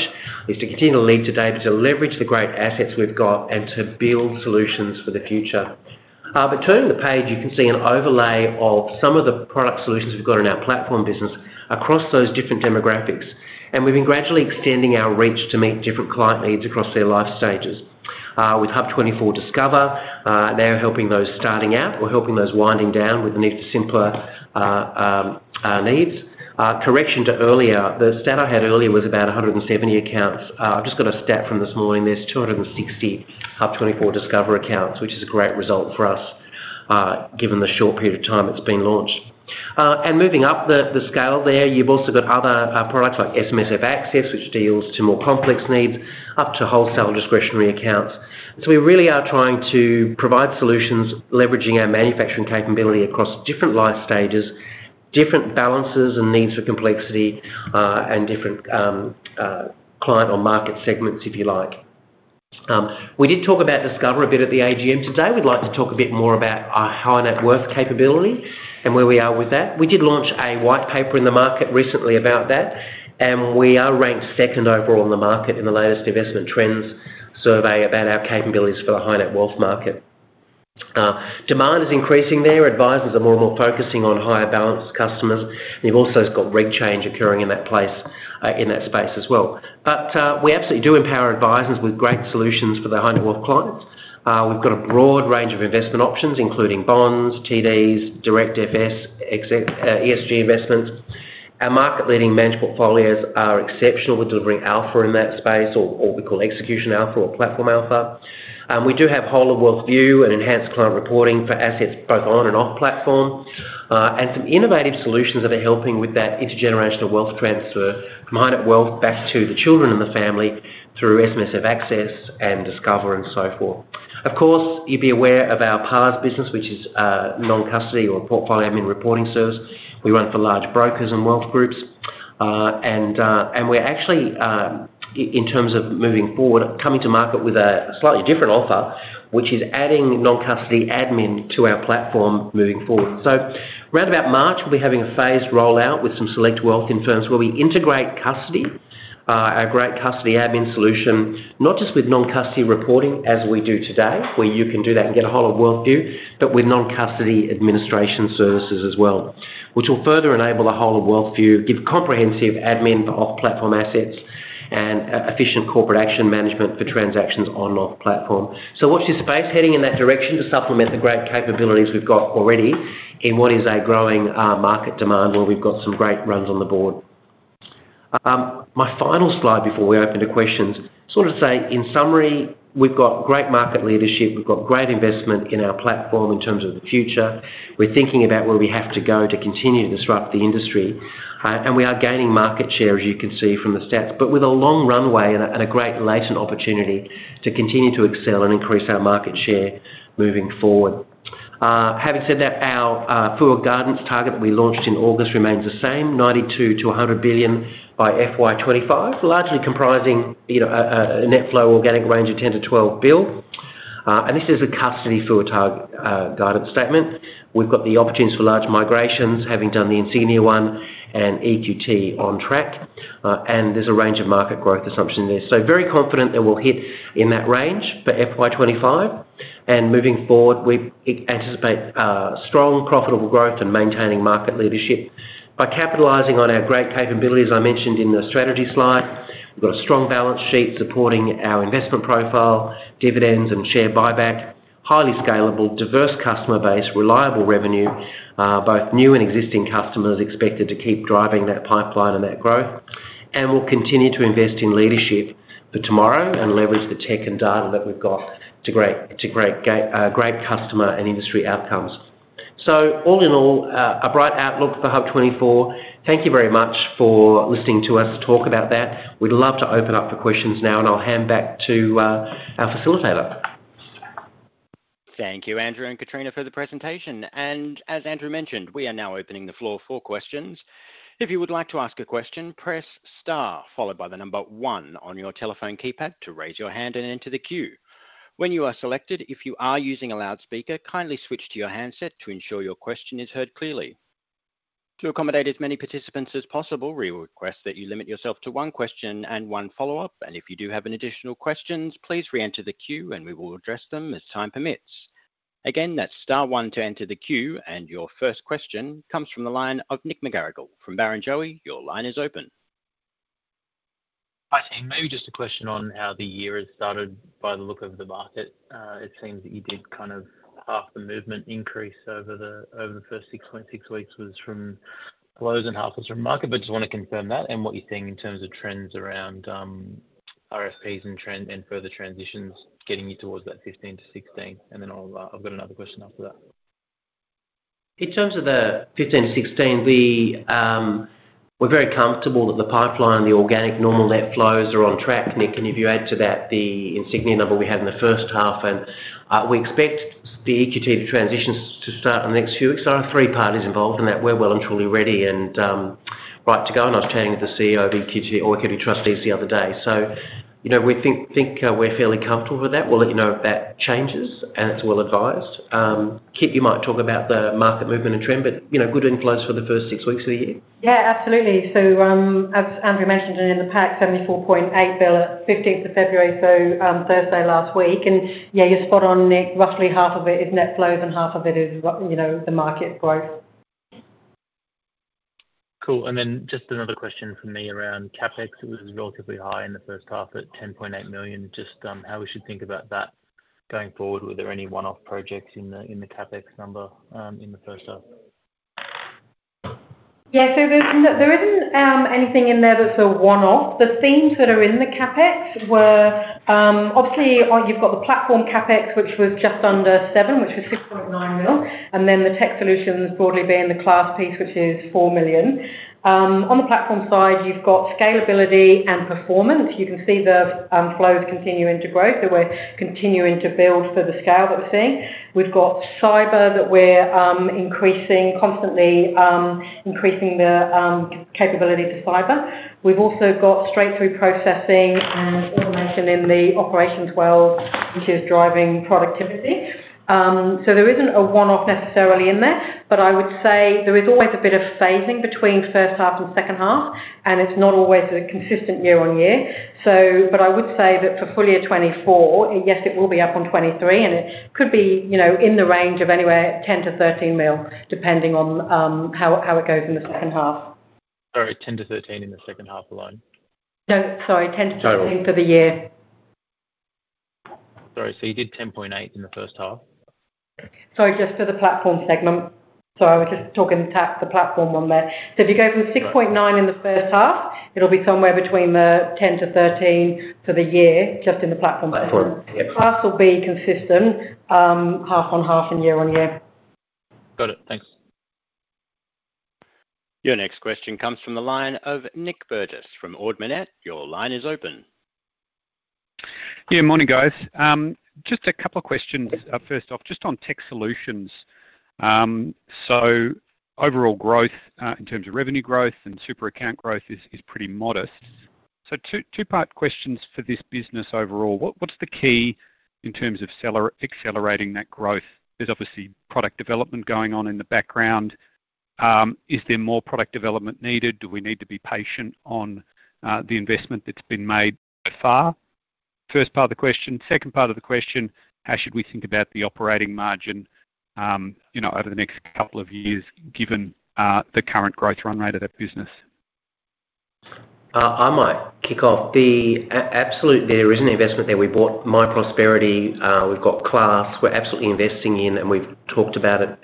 is to continue to lead today but to leverage the great assets we've got and to build solutions for the future. But turning the page, you can see an overlay of some of the product solutions we've got in our platform business across those different demographics. And we've been gradually extending our reach to meet different client needs across their life stages. With HUB24 Discover, they're helping those starting out or helping those winding down with the need for simpler needs. Correction to earlier, the stat I had earlier was about 170 accounts. I've just got a stat from this morning. There's 260 HUB24 Discover accounts, which is a great result for us given the short period of time it's been launched. And moving up the scale there, you've also got other products like SMSF Access, which deals to more complex needs, up to wholesale discretionary accounts. So we really are trying to provide solutions leveraging our manufacturing capability across different life stages, different balances and needs for complexity, and different client or market segments, if you like. We did talk about Discover a bit at the AGM today. We'd like to talk a bit more about our high-net-worth capability and where we are with that. We did launch a white paper in the market recently about that. We are ranked second overall in the market in the latest Investment Trends survey about our capabilities for the high-net-worth market. Demand is increasing there. Advisors are more and more focusing on higher balance customers. You've also got reg change occurring in that space as well. But we absolutely do empower Advisers with great solutions for the high-net-worth clients. We've got a broad range of investment options, including bonds, TDs, Direct FI, ESG investments. Our market-leading managed portfolios are exceptional with delivering alpha in that space, or what we call execution alpha or platform alpha. We do have whole of wealth view and enhanced client reporting for assets both on and off platform and some innovative solutions that are helping with that intergenerational wealth transfer, high-net wealth back to the children and the family through SMSF Access and Discover and so forth. Of course, you'd be aware of our PARS business, which is non-custody or portfolio admin reporting service. We run for large brokers and wealth groups. We're actually, in terms of moving forward, coming to market with a slightly different offer, which is adding non-custody admin to our platform moving forward. So round about March, we'll be having a phased rollout with some select wealth firms where we integrate custody, our great custody admin solution, not just with non-custody reporting as we do today, where you can do that and get a whole of wealth view, but with non-custody administration services as well, which will further enable the whole of wealth view, give comprehensive admin for off-platform assets and efficient corporate action management for transactions on and off platform. So watch this space heading in that direction to supplement the great capabilities we've got already in what is a growing market demand where we've got some great runs on the board. My final slide before we open to questions, sort of to say, in summary, we've got great market leadership. We've got great investment in our platform in terms of the future. We're thinking about where we have to go to continue to disrupt the industry. We are gaining market share, as you can see from the stats, but with a long runway and a great latent opportunity to continue to excel and increase our market share moving forward. Having said that, our FUA guidance target that we launched in August remains the same, 92 billion-100 billion by FY25, largely comprising a net flow organic range of 10 billion-12 billion. This is a custody FUA guidance statement. We've got the opportunities for large migrations, having done the Insignia one and EQT on track. There's a range of market growth assumption there. So very confident that we'll hit in that range for FY25. Moving forward, we anticipate strong, profitable growth and maintaining market leadership by capitalizing on our great capabilities, as I mentioned in the strategy slide. We've got a strong balance sheet supporting our investment profile, dividends and share buyback, highly scalable, diverse customer base, reliable revenue, both new and existing customers expected to keep driving that pipeline and that growth. We'll continue to invest in leadership for tomorrow and leverage the tech and data that we've got to great customer and industry outcomes. All in all, a bright outlook for HUB24. Thank you very much for listening to us talk about that. We'd love to open up for questions now. I'll hand back to our facilitator. Thank you, Andrew and Kitrina, for the presentation. As Andrew mentioned, we are now opening the floor for questions. If you would like to ask a question, press star followed by the number one on your telephone keypad to raise your hand and enter the queue. When you are selected, if you are using a loudspeaker, kindly switch to your handset to ensure your question is heard clearly. To accommodate as many participants as possible, we request that you limit yourself to one question and one follow-up. If you do have additional questions, please re-enter the queue and we will address them as time permits. Again, that's star 1 to enter the queue. Your first question comes from the line of Nick McGarrigle from Barrenjoey. Your line is open. Hi, team. Maybe just a question on how the year has started by the look of the market. It seems that you did kind of half the movement increase over the first 6.6 weeks was from lows and half was from market. But I just want to confirm that and what you're seeing in terms of trends around RFPs and further transitions getting you towards that 15-16. And then I've got another question after that. In terms of the 15 to 16, we're very comfortable that the pipeline and the organic normal net flows are on track. Nick, can you add to that the Insignia number we had in the first half? We expect the EQT to transition to start in the next few weeks. There are three parties involved in that. We're well and truly ready and right to go. I was chatting with the CEO of EQT or Equity Trustees the other day. So we think we're fairly comfortable with that. We'll let you know if that changes and it's well advised. Kit, you might talk about the market movement and trend, but good inflows for the first six weeks of the year? Yeah, absolutely. So as Andrew mentioned in the Pack, 74.8 billion at 15th of February, so Thursday last week. And yeah, you're spot on, Nick. Roughly half of it is net flows and half of it is the market growth. Cool. And then just another question from me around CapEx. It was relatively high in the first half at 10.8 million. Just how we should think about that going forward. Were there any one-off projects in the CapEx number in the first half? Yeah. So there isn't anything in there that's a one-off. The themes that are in the CapEx were obviously, you've got the platform CapEx, which was just under 7, which was 6.9 million. And then the tech solutions broadly being the Class piece, which is 4 million. On the platform side, you've got scalability and performance. You can see the flows continuing to grow, so we're continuing to build for the scale that we're seeing. We've got cyber that we're constantly increasing the capability for cyber. We've also got straight-through processing and automation in the operations world, which is driving productivity. So there isn't a one-off necessarily in there. But I would say there is always a bit of phasing between first half and second half. And it's not always a consistent year-on-year. I would say that for full year 2024, yes, it will be up on 2023. It could be in the range of anywhere 10 million-13 million, depending on how it goes in the second half. Sorry, 10-13 in the second half alone? No, sorry, 10-13 for the year. Sorry. So you did 10.8 in the first half? Sorry, just for the platform segment. Sorry, I was just talking the platform one there. So if you go from 6.9 in the first half, it'll be somewhere between 10-13 for the year, just in the platform segment. Class will be consistent, half on half and year-on-year. Got it. Thanks. Your next question comes from the line of Nick Burgess from Ord Minnett. Your line is open. Yeah, morning, guys. Just a couple of questions first off, just on tech solutions. So overall growth in terms of revenue growth and super account growth is pretty modest. So two-part questions for this business overall. What's the key in terms of accelerating that growth? There's obviously product development going on in the background. Is there more product development needed? Do we need to be patient on the investment that's been made so far? First part of the question. Second part of the question, how should we think about the operating margin over the next couple of years given the current growth run rate of that business? I might kick off. Absolutely, there is an investment there. We bought myprosperity. We've got Class. We're absolutely investing in and we've talked about it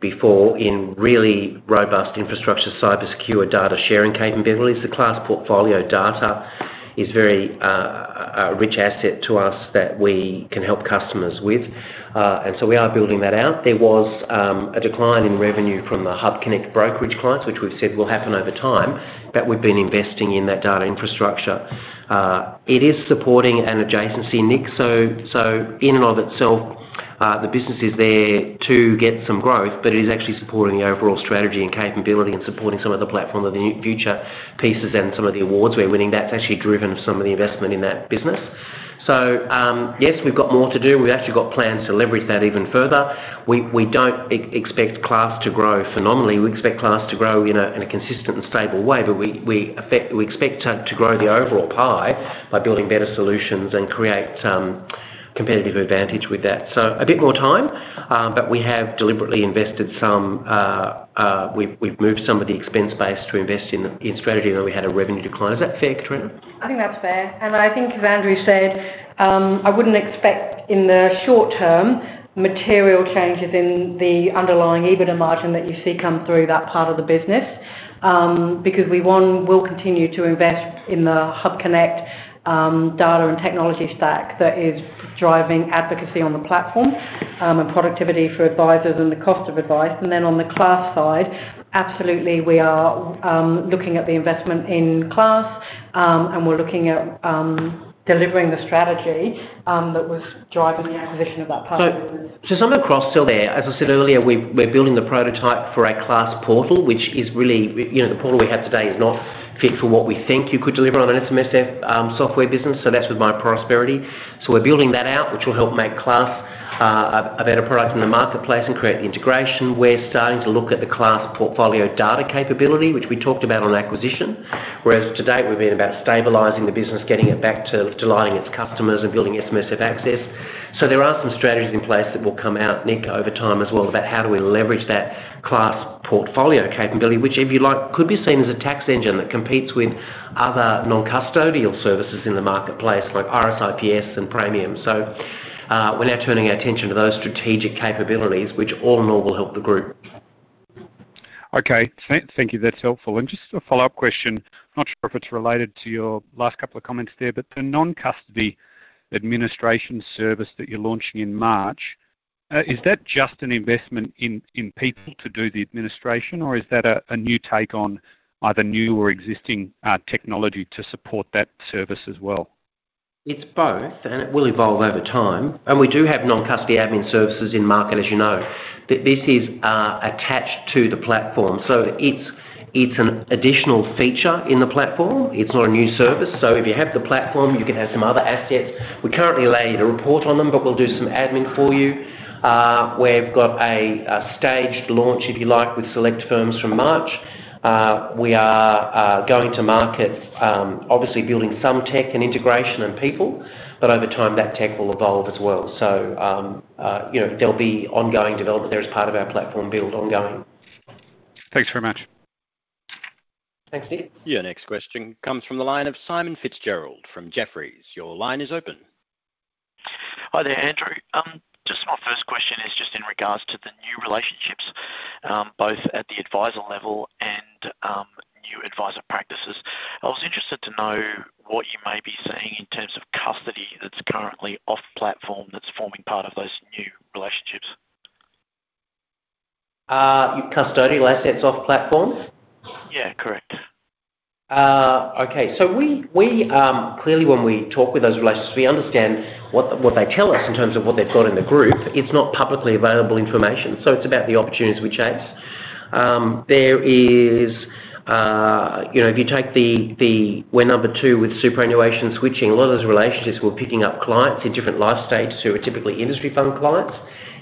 before in really robust infrastructure, cybersecure, data-sharing capabilities. The Class portfolio data is very a rich asset to us that we can help customers with. And so we are building that out. There was a decline in revenue from the HUBconnect brokerage clients, which we've said will happen over time. But we've been investing in that data infrastructure. It is supporting an adjacency, Nick. So in and of itself, the business is there to get some growth. But it is actually supporting the overall strategy and capability and supporting some of the platform of the future pieces and some of the awards we're winning. That's actually driven of some of the investment in that business. So yes, we've got more to do. We've actually got plans to leverage that even further. We don't expect Class to grow phenomenally. We expect Class to grow in a consistent and stable way. But we expect to grow the overall pie by building better solutions and create competitive advantage with that. So a bit more time. But we have deliberately invested some we've moved some of the expense base to invest in strategy. And then we had a revenue decline. Is that fair, Kitrina? I think that's fair. And I think, as Andrew said, I wouldn't expect in the short term material changes in the underlying EBITDA margin that you see come through that part of the business. Because we, one, will continue to invest in the HUBconnect data and technology stack that is driving advocacy on the platform and productivity for Advisers and the cost of advice. And then on the Class side, absolutely, we are looking at the investment in Class. And we're looking at delivering the strategy that was driving the acquisition of that part of the business. So some of the costs are still there. As I said earlier, we're building the prototype for a Class portal, which is really the portal we have today is not fit for what we think you could deliver on an SMSF software business. So that's with myprosperity. So we're building that out, which will help make Class a better product in the marketplace and create the integration. We're starting to look at the Class portfolio data capability, which we talked about on acquisition. Whereas to date, we've been about stabilizing the business, getting it back to delighting its customers and building SMSF Access. So there are some strategies in place that will come out, Nick, over time as well about how do we leverage that Class portfolio capability, which, if you like, could be seen as a tax engine that competes with other non-custodial services in the marketplace like Iress IPS and Praemium. So we're now turning our attention to those strategic capabilities, which all in all will help the group. Okay. Thank you. That's helpful. And just a follow-up question. Not sure if it's related to your last couple of comments there. But the non-custody administration service that you're launching in March, is that just an investment in people to do the administration? Or is that a new take on either new or existing technology to support that service as well? It's both. It will evolve over time. We do have non-custody admin services in market, as you know. This is attached to the platform. It's an additional feature in the platform. It's not a new service. If you have the platform, you can have some other assets. We currently lay a report on them. But we'll do some admin for you. We've got a staged launch, if you like, with select firms from March. We are going to market, obviously, building some tech and integration and people. But over time, that tech will evolve as well. There'll be ongoing development there as part of our platform build ongoing. Thanks very much. Thanks, Nick. Your next question comes from the line of Simon Fitzgerald from Jefferies. Your line is open. Hi there, Andrew. Just my first question is just in regards to the new relationships, both at the Adviser level and new Adviser practices. I was interested to know what you may be seeing in terms of custody that's currently off-platform that's forming part of those new relationships? Custody of assets off-platform? Yeah, correct. Okay. So clearly, when we talk with those relationships, we understand what they tell us in terms of what they've got in the group. It's not publicly available information. So it's about the opportunities we chase. There is, if you take, we're number two with superannuation switching. A lot of those relationships will be picking up clients in different life stages who are typically industry fund clients.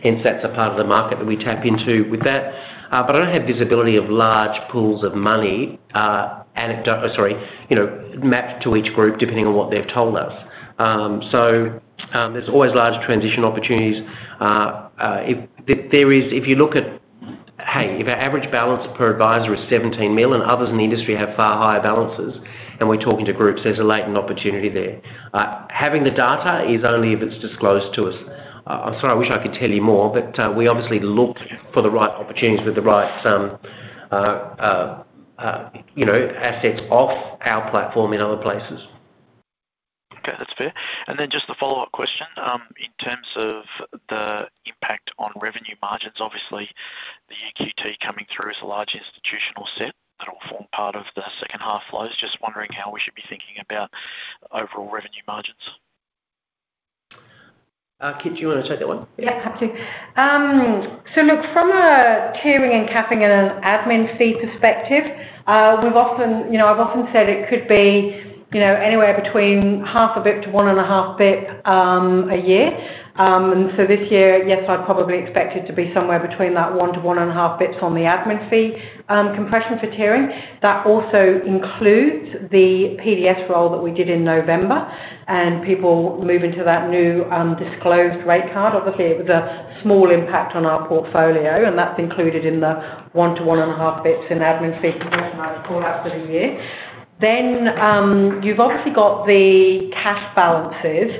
Hence, that's a part of the market that we tap into with that. But I don't have visibility of large pools of money, anecdotally sorry, mapped to each group depending on what they've told us. So there's always large transition opportunities. If you look at, hey, if our average balance per Adviser is 17 million and others in the industry have far higher balances and we're talking to groups, there's a latent opportunity there. Having the data is only if it's disclosed to us. I'm sorry, I wish I could tell you more. But we obviously look for the right opportunities with the right assets off our platform in other places. Okay. That's fair. And then just a follow-up question in terms of the impact on revenue margins. Obviously, the EQT coming through is a large institutional set that will form part of the second half flows. Just wondering how we should be thinking about overall revenue margins. Kit, do you want to take that one? Yeah, happy to. So look, from a tiering and capping and an admin fee perspective, I've often said it could be anywhere between 0.5-1.5 basis points a year. And so this year, yes, I'd probably expect it to be somewhere between that 1-1.5 basis points on the admin fee compression for tiering. That also includes the PDS roll that we did in November and people moving to that new disclosed rate card. Obviously, it was a small impact on our portfolio. And that's included in the 1-1.5 basis points in admin fee compression and other callouts for the year. Then you've obviously got the cash balances.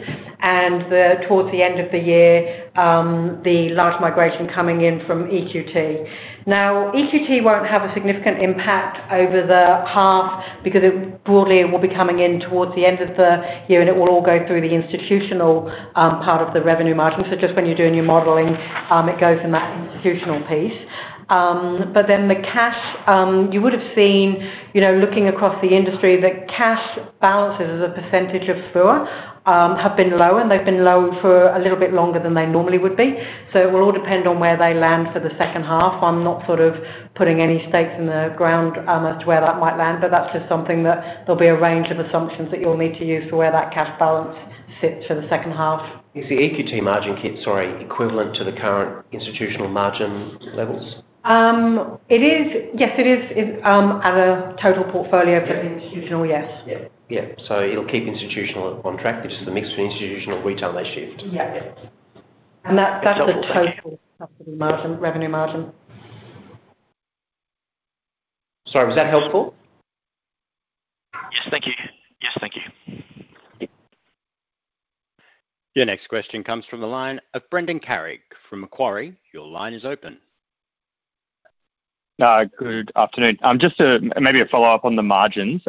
And towards the end of the year, the large migration coming in from EQT. Now, EQT won't have a significant impact over the half because it broadly will be coming in towards the end of the year. It will all go through the institutional part of the revenue margin. Just when you're doing your modelling, it goes in that institutional piece. Then the cash, you would have seen looking across the industry that cash balances as a percentage of FUA have been lower. They've been lower for a little bit longer than they normally would be. It will all depend on where they land for the second half. I'm not sort of putting any stakes in the ground as to where that might land. That's just something that there'll be a range of assumptions that you'll need to use for where that cash balance sits for the second half. Is the EQT margin, Kit, sorry, equivalent to the current institutional margin levels? Yes, it is as a total portfolio for the institutional, yes. Yeah. So it'll keep institutional on track. It's just the mix between institutional and retail may shift. Yeah. Yeah. And that's the total custody margin, revenue margin. Sorry, was that helpful? Yes, thank you. Yes, thank you. Your next question comes from the line of Brendan Carrig from Macquarie. Your line is open. Good afternoon. Just maybe a follow-up on the margins.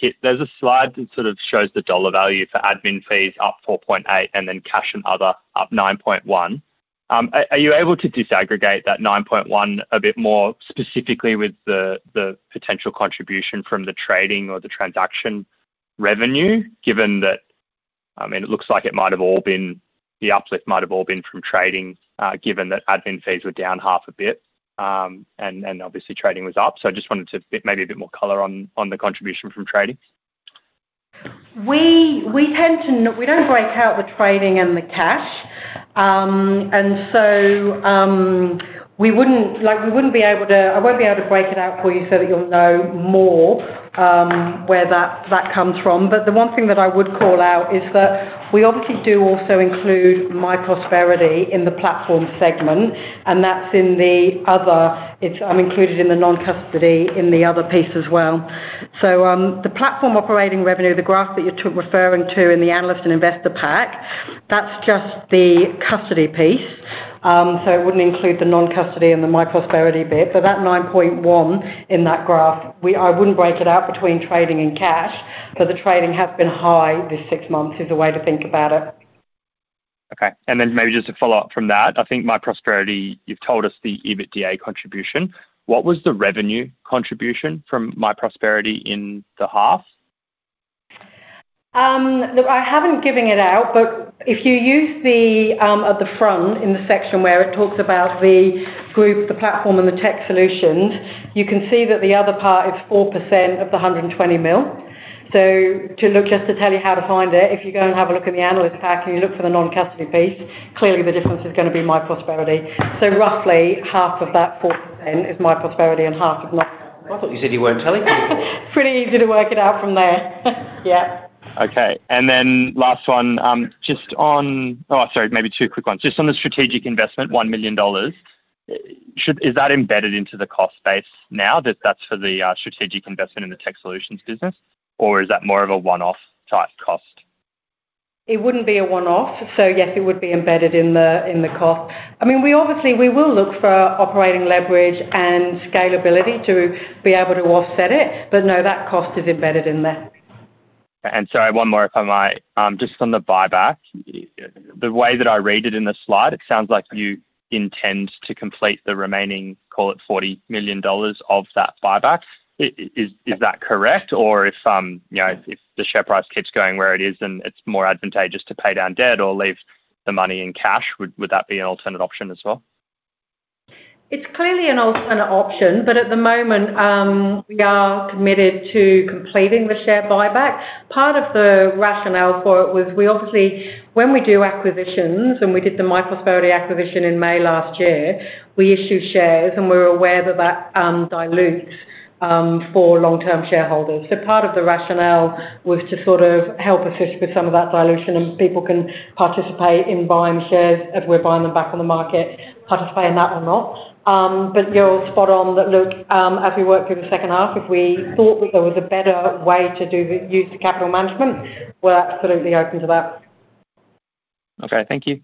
Kit, there's a slide that sort of shows the dollar value for admin fees up 4.8 and then cash and other up 9.1. Are you able to disaggregate that 9.1 a bit more specifically with the potential contribution from the trading or the transaction revenue given that I mean, it looks like it might have all been the uplift might have all been from trading given that admin fees were down 0.5 basis point. And obviously, trading was up. So I just wanted to maybe a bit more color on the contribution from trading. We don't break out the trading and the cash. And so I won't be able to break it out for you so that you'll know more where that comes from. But the one thing that I would call out is that we obviously do also include myprosperity in the platform segment. And that's included in the non-custody in the other piece as well. So the platform operating revenue, the graph that you're referring to in the analyst and investor pack, that's just the custody piece. So it wouldn't include the non-custody and the myprosperity bit. But that 9.1 in that graph, I wouldn't break it out between trading and cash. But the trading has been high this six months is a way to think about it. Okay. And then maybe just a follow-up from that. I think myprosperity, you've told us the EBITDA contribution. What was the revenue contribution from myprosperity in the half? I haven't given it out. But if you use the at the front in the section where it talks about the group, the platform, and the tech solutions, you can see that the other part is 4% of the 120 million. So just to tell you how to find it, if you go and have a look at the analyst pack and you look for the non-custody piece, clearly, the difference is going to be myprosperity. So roughly, half of that 4% is myprosperity and half is non-custody. I thought you said you weren't telling me before. Pretty easy to work it out from there. Yeah. Okay. And then last one. Oh, sorry, maybe two quick ones. Just on the strategic investment, 1 million dollars, is that embedded into the cost base now that that's for the strategic investment in the tech solutions business? Or is that more of a one-off type cost? It wouldn't be a one-off. So yes, it would be embedded in the cost. I mean, obviously, we will look for operating leverage and scalability to be able to offset it. But no, that cost is embedded in there. And sorry, one more, if I might. Just on the buyback, the way that I read it in the slide, it sounds like you intend to complete the remaining, call it, 40 million dollars of that buyback. Is that correct? Or if the share price keeps going where it is and it's more advantageous to pay down debt or leave the money in cash, would that be an alternate option as well? It's clearly an alternate option. But at the moment, we are committed to completing the share buyback. Part of the rationale for it was we obviously, when we do acquisitions and we did the myprosperity acquisition in May last year, we issue shares. And we're aware that that dilutes for long-term shareholders. So part of the rationale was to sort of help assist with some of that dilution. And people can participate in buying shares as we're buying them back on the market, participate in that or not. But you're all spot on that, look, as we work through the second half, if we thought that there was a better way to use the capital management, we're absolutely open to that. Okay. Thank you.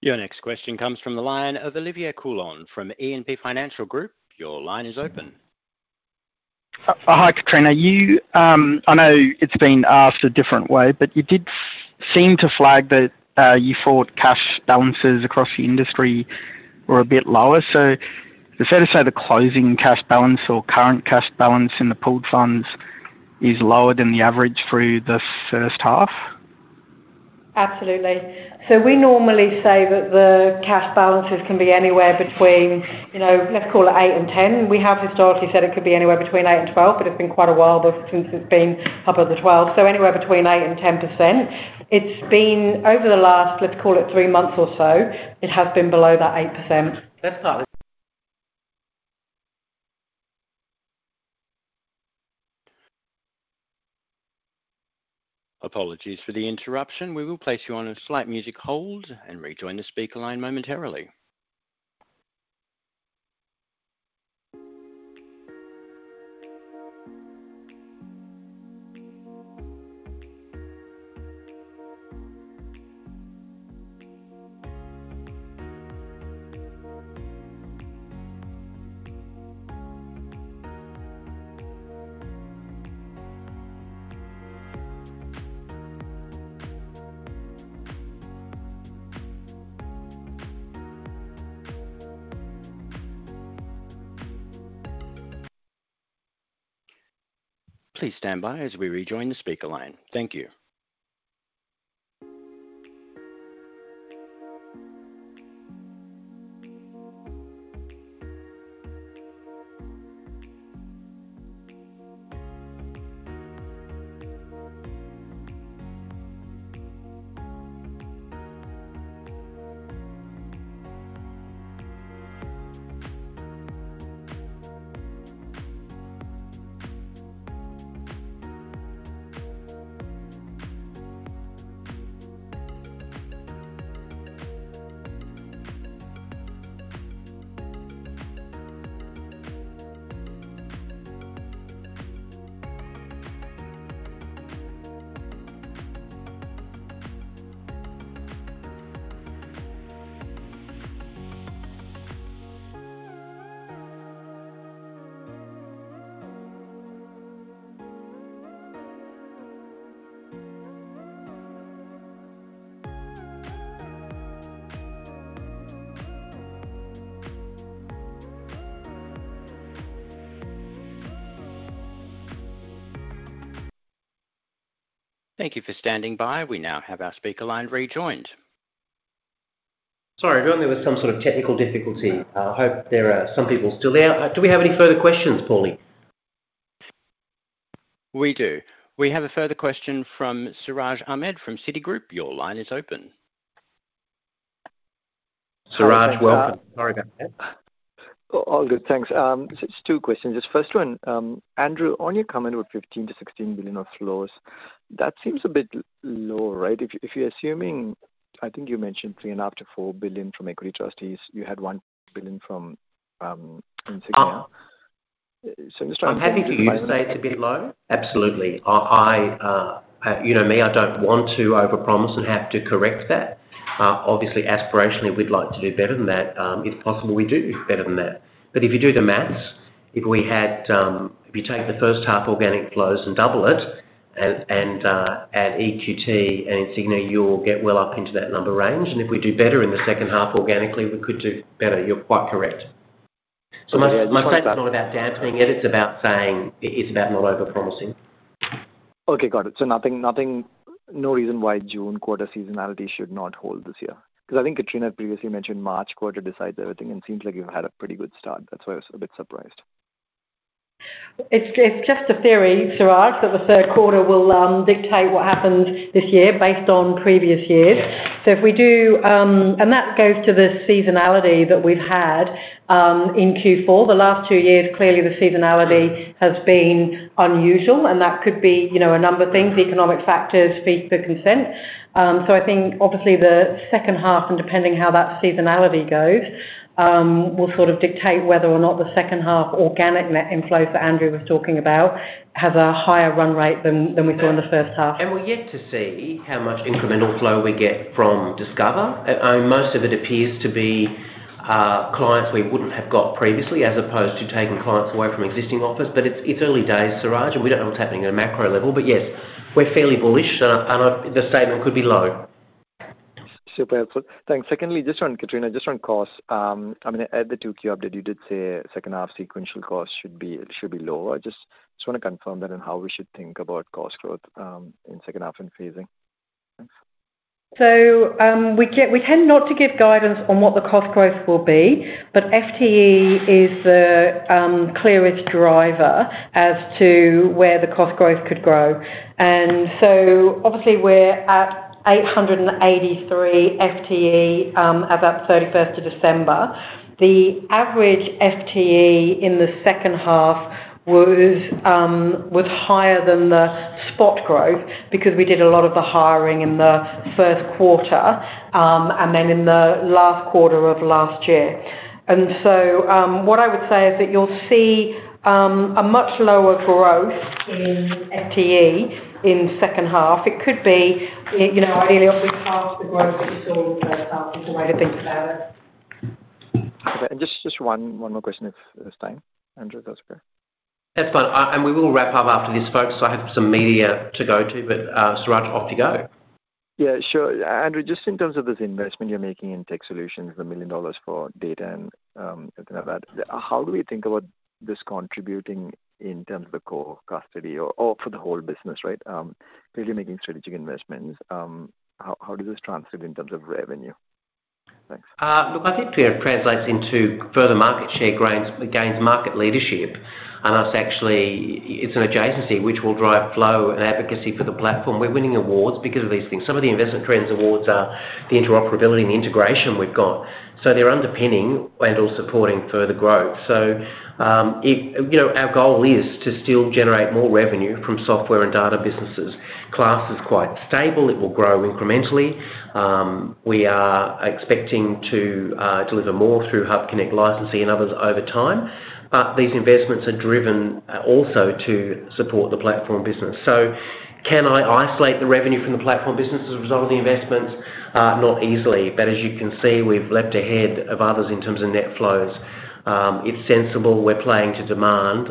Your next question comes from the line of Olivier Coulon from E&P Financial Group. Your line is open. Hi, Kitrina. I know it's been asked a different way. But you did seem to flag that you thought cash balances across the industry were a bit lower. So is it fair to say the closing cash balance or current cash balance in the pooled funds is lower than the average through the first half? Absolutely. So we normally say that the cash balances can be anywhere between let's call it 8 and 10. We have historically said it could be anywhere between 8 and 12. But it's been quite a while since it's been up at the 12. So anywhere between 8%-10%. Over the last, let's call it, three months or so, it has been below that 8%.Let's start. Apologies for the interruption. We will place you on a slight music hold and rejoin the speaker line momentarily. Please stand by as we rejoin the speaker line. Thank you. Thank you for standing by. We now have our speaker line rejoined. Sorry, I've only heard some sort of technical difficulty. I hope there are some people still there. Do we have any further questions, Paulie? We do. We have a further question from Siraj Ahmed from Citigroup. Your line is open. Siraj, welcome. Sorry about that. All good. Thanks. It's two questions. The first one, Andrew, on your comment with 15-16 million of FUAs, that seems a bit low, right? I think you mentioned 3-4 billion from Equity Trustees. You had 1 billion from Insignia. So I'm just trying to understand why that is. I'm happy for you to say it's a bit low. Absolutely. Me, I don't want to overpromise and have to correct that. Obviously, aspirationally, we'd like to do better than that. If possible, we do better than that. But if you do the math, if you take the first half organic flows and double it and add EQT and Insignia, you'll get well up into that number range. And if we do better in the second half organically, we could do better. You're quite correct. So my statement's not about dampening it. It's about saying it's about not overpromising. Okay. Got it. So no reason why June quarter seasonality should not hold this year? Because I think Kitrina previously mentioned March quarter decides everything. And it seems like you've had a pretty good start. That's why I was a bit surprised. It's just a theory, Siraj, that the third quarter will dictate what happens this year based on previous years. So if we do and that goes to the seasonality that we've had in Q4. The last two years, clearly, the seasonality has been unusual. That could be a number of things. Economic factors feed the consensus. So I think, obviously, the second half and depending how that seasonality goes will sort of dictate whether or not the second half organic net inflows that Andrew was talking about has a higher run rate than we saw in the first half. We're yet to see how much incremental flow we get from Discover. Most of it appears to be clients we wouldn't have got previously as opposed to taking clients away from existing offices. But it's early days, Siraj. We don't know what's happening at a macro level. Yes, we're fairly bullish. The statement could be low. Super. Thanks. Secondly, just on Kitrina, just on cost, I mean, at the 2Q update, you did say second half sequential cost should be lower. I just want to confirm that and how we should think about cost growth in second half and phasing. Thanks. We tend not to give guidance on what the cost growth will be. But FTE is the clearest driver as to where the cost growth could grow. And so obviously, we're at 883 FTE as of 31st of December. The average FTE in the second half was higher than the spot growth because we did a lot of the hiring in the first quarter and then in the last quarter of last year. And so what I would say is that you'll see a much lower growth in FTE in second half. It could be ideally, obviously, half the growth that you saw in the first half is the way to think about it. Okay. Just one more question if it's time. Andrew, if that's okay. That's fine. And we will wrap up after this, folks. So I have some media to go to. But Siraj, off you go. Yeah. Sure. Andrew, just in terms of this investment you're making in tech solutions, the 1 million dollars for data and everything like that, how do we think about this contributing in terms of the core custody or for the whole business, right? Clearly, making strategic investments, how does this translate in terms of revenue? Thanks. Look, I think Twitter translates into further market share gains, market leadership. And it's an adjacency which will drive flow and advocacy for the platform. We're winning awards because of these things. Some of the Investment Trends awards are the interoperability and the integration we've got. So they're underpinning and/or supporting further growth. So our goal is to still generate more revenue from software and data businesses. Class is quite stable. It will grow incrementally. We are expecting to deliver more through HUBconnect licensing and others over time. But these investments are driven also to support the platform business. So can I isolate the revenue from the platform business as a result of the investments? Not easily. But as you can see, we've leapt ahead of others in terms of net flows. It's sensible. We're playing to demand.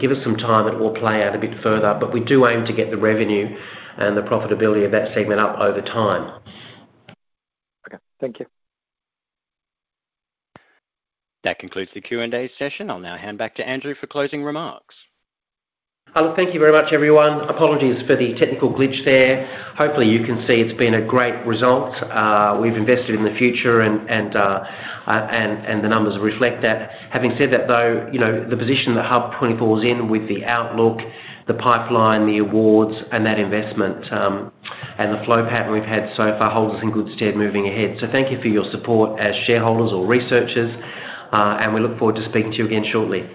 Give us some time. It will play out a bit further. But we do aim to get the revenue and the profitability of that segment up over time. Okay. Thank you. That concludes the Q&A session. I'll now hand back to Andrew for closing remarks. Thank you very much, everyone. Apologies for the technical glitch there. Hopefully, you can see it's been a great result. We've invested in the future. The numbers reflect that. Having said that, though, the position that HUB24 is in with the outlook, the pipeline, the awards, and that investment and the flow pattern we've had so far holds us in good stead moving ahead. Thank you for your support as shareholders or researchers. We look forward to speaking to you again shortly.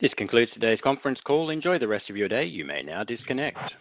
This concludes today's conference call. Enjoy the rest of your day. You may now disconnect.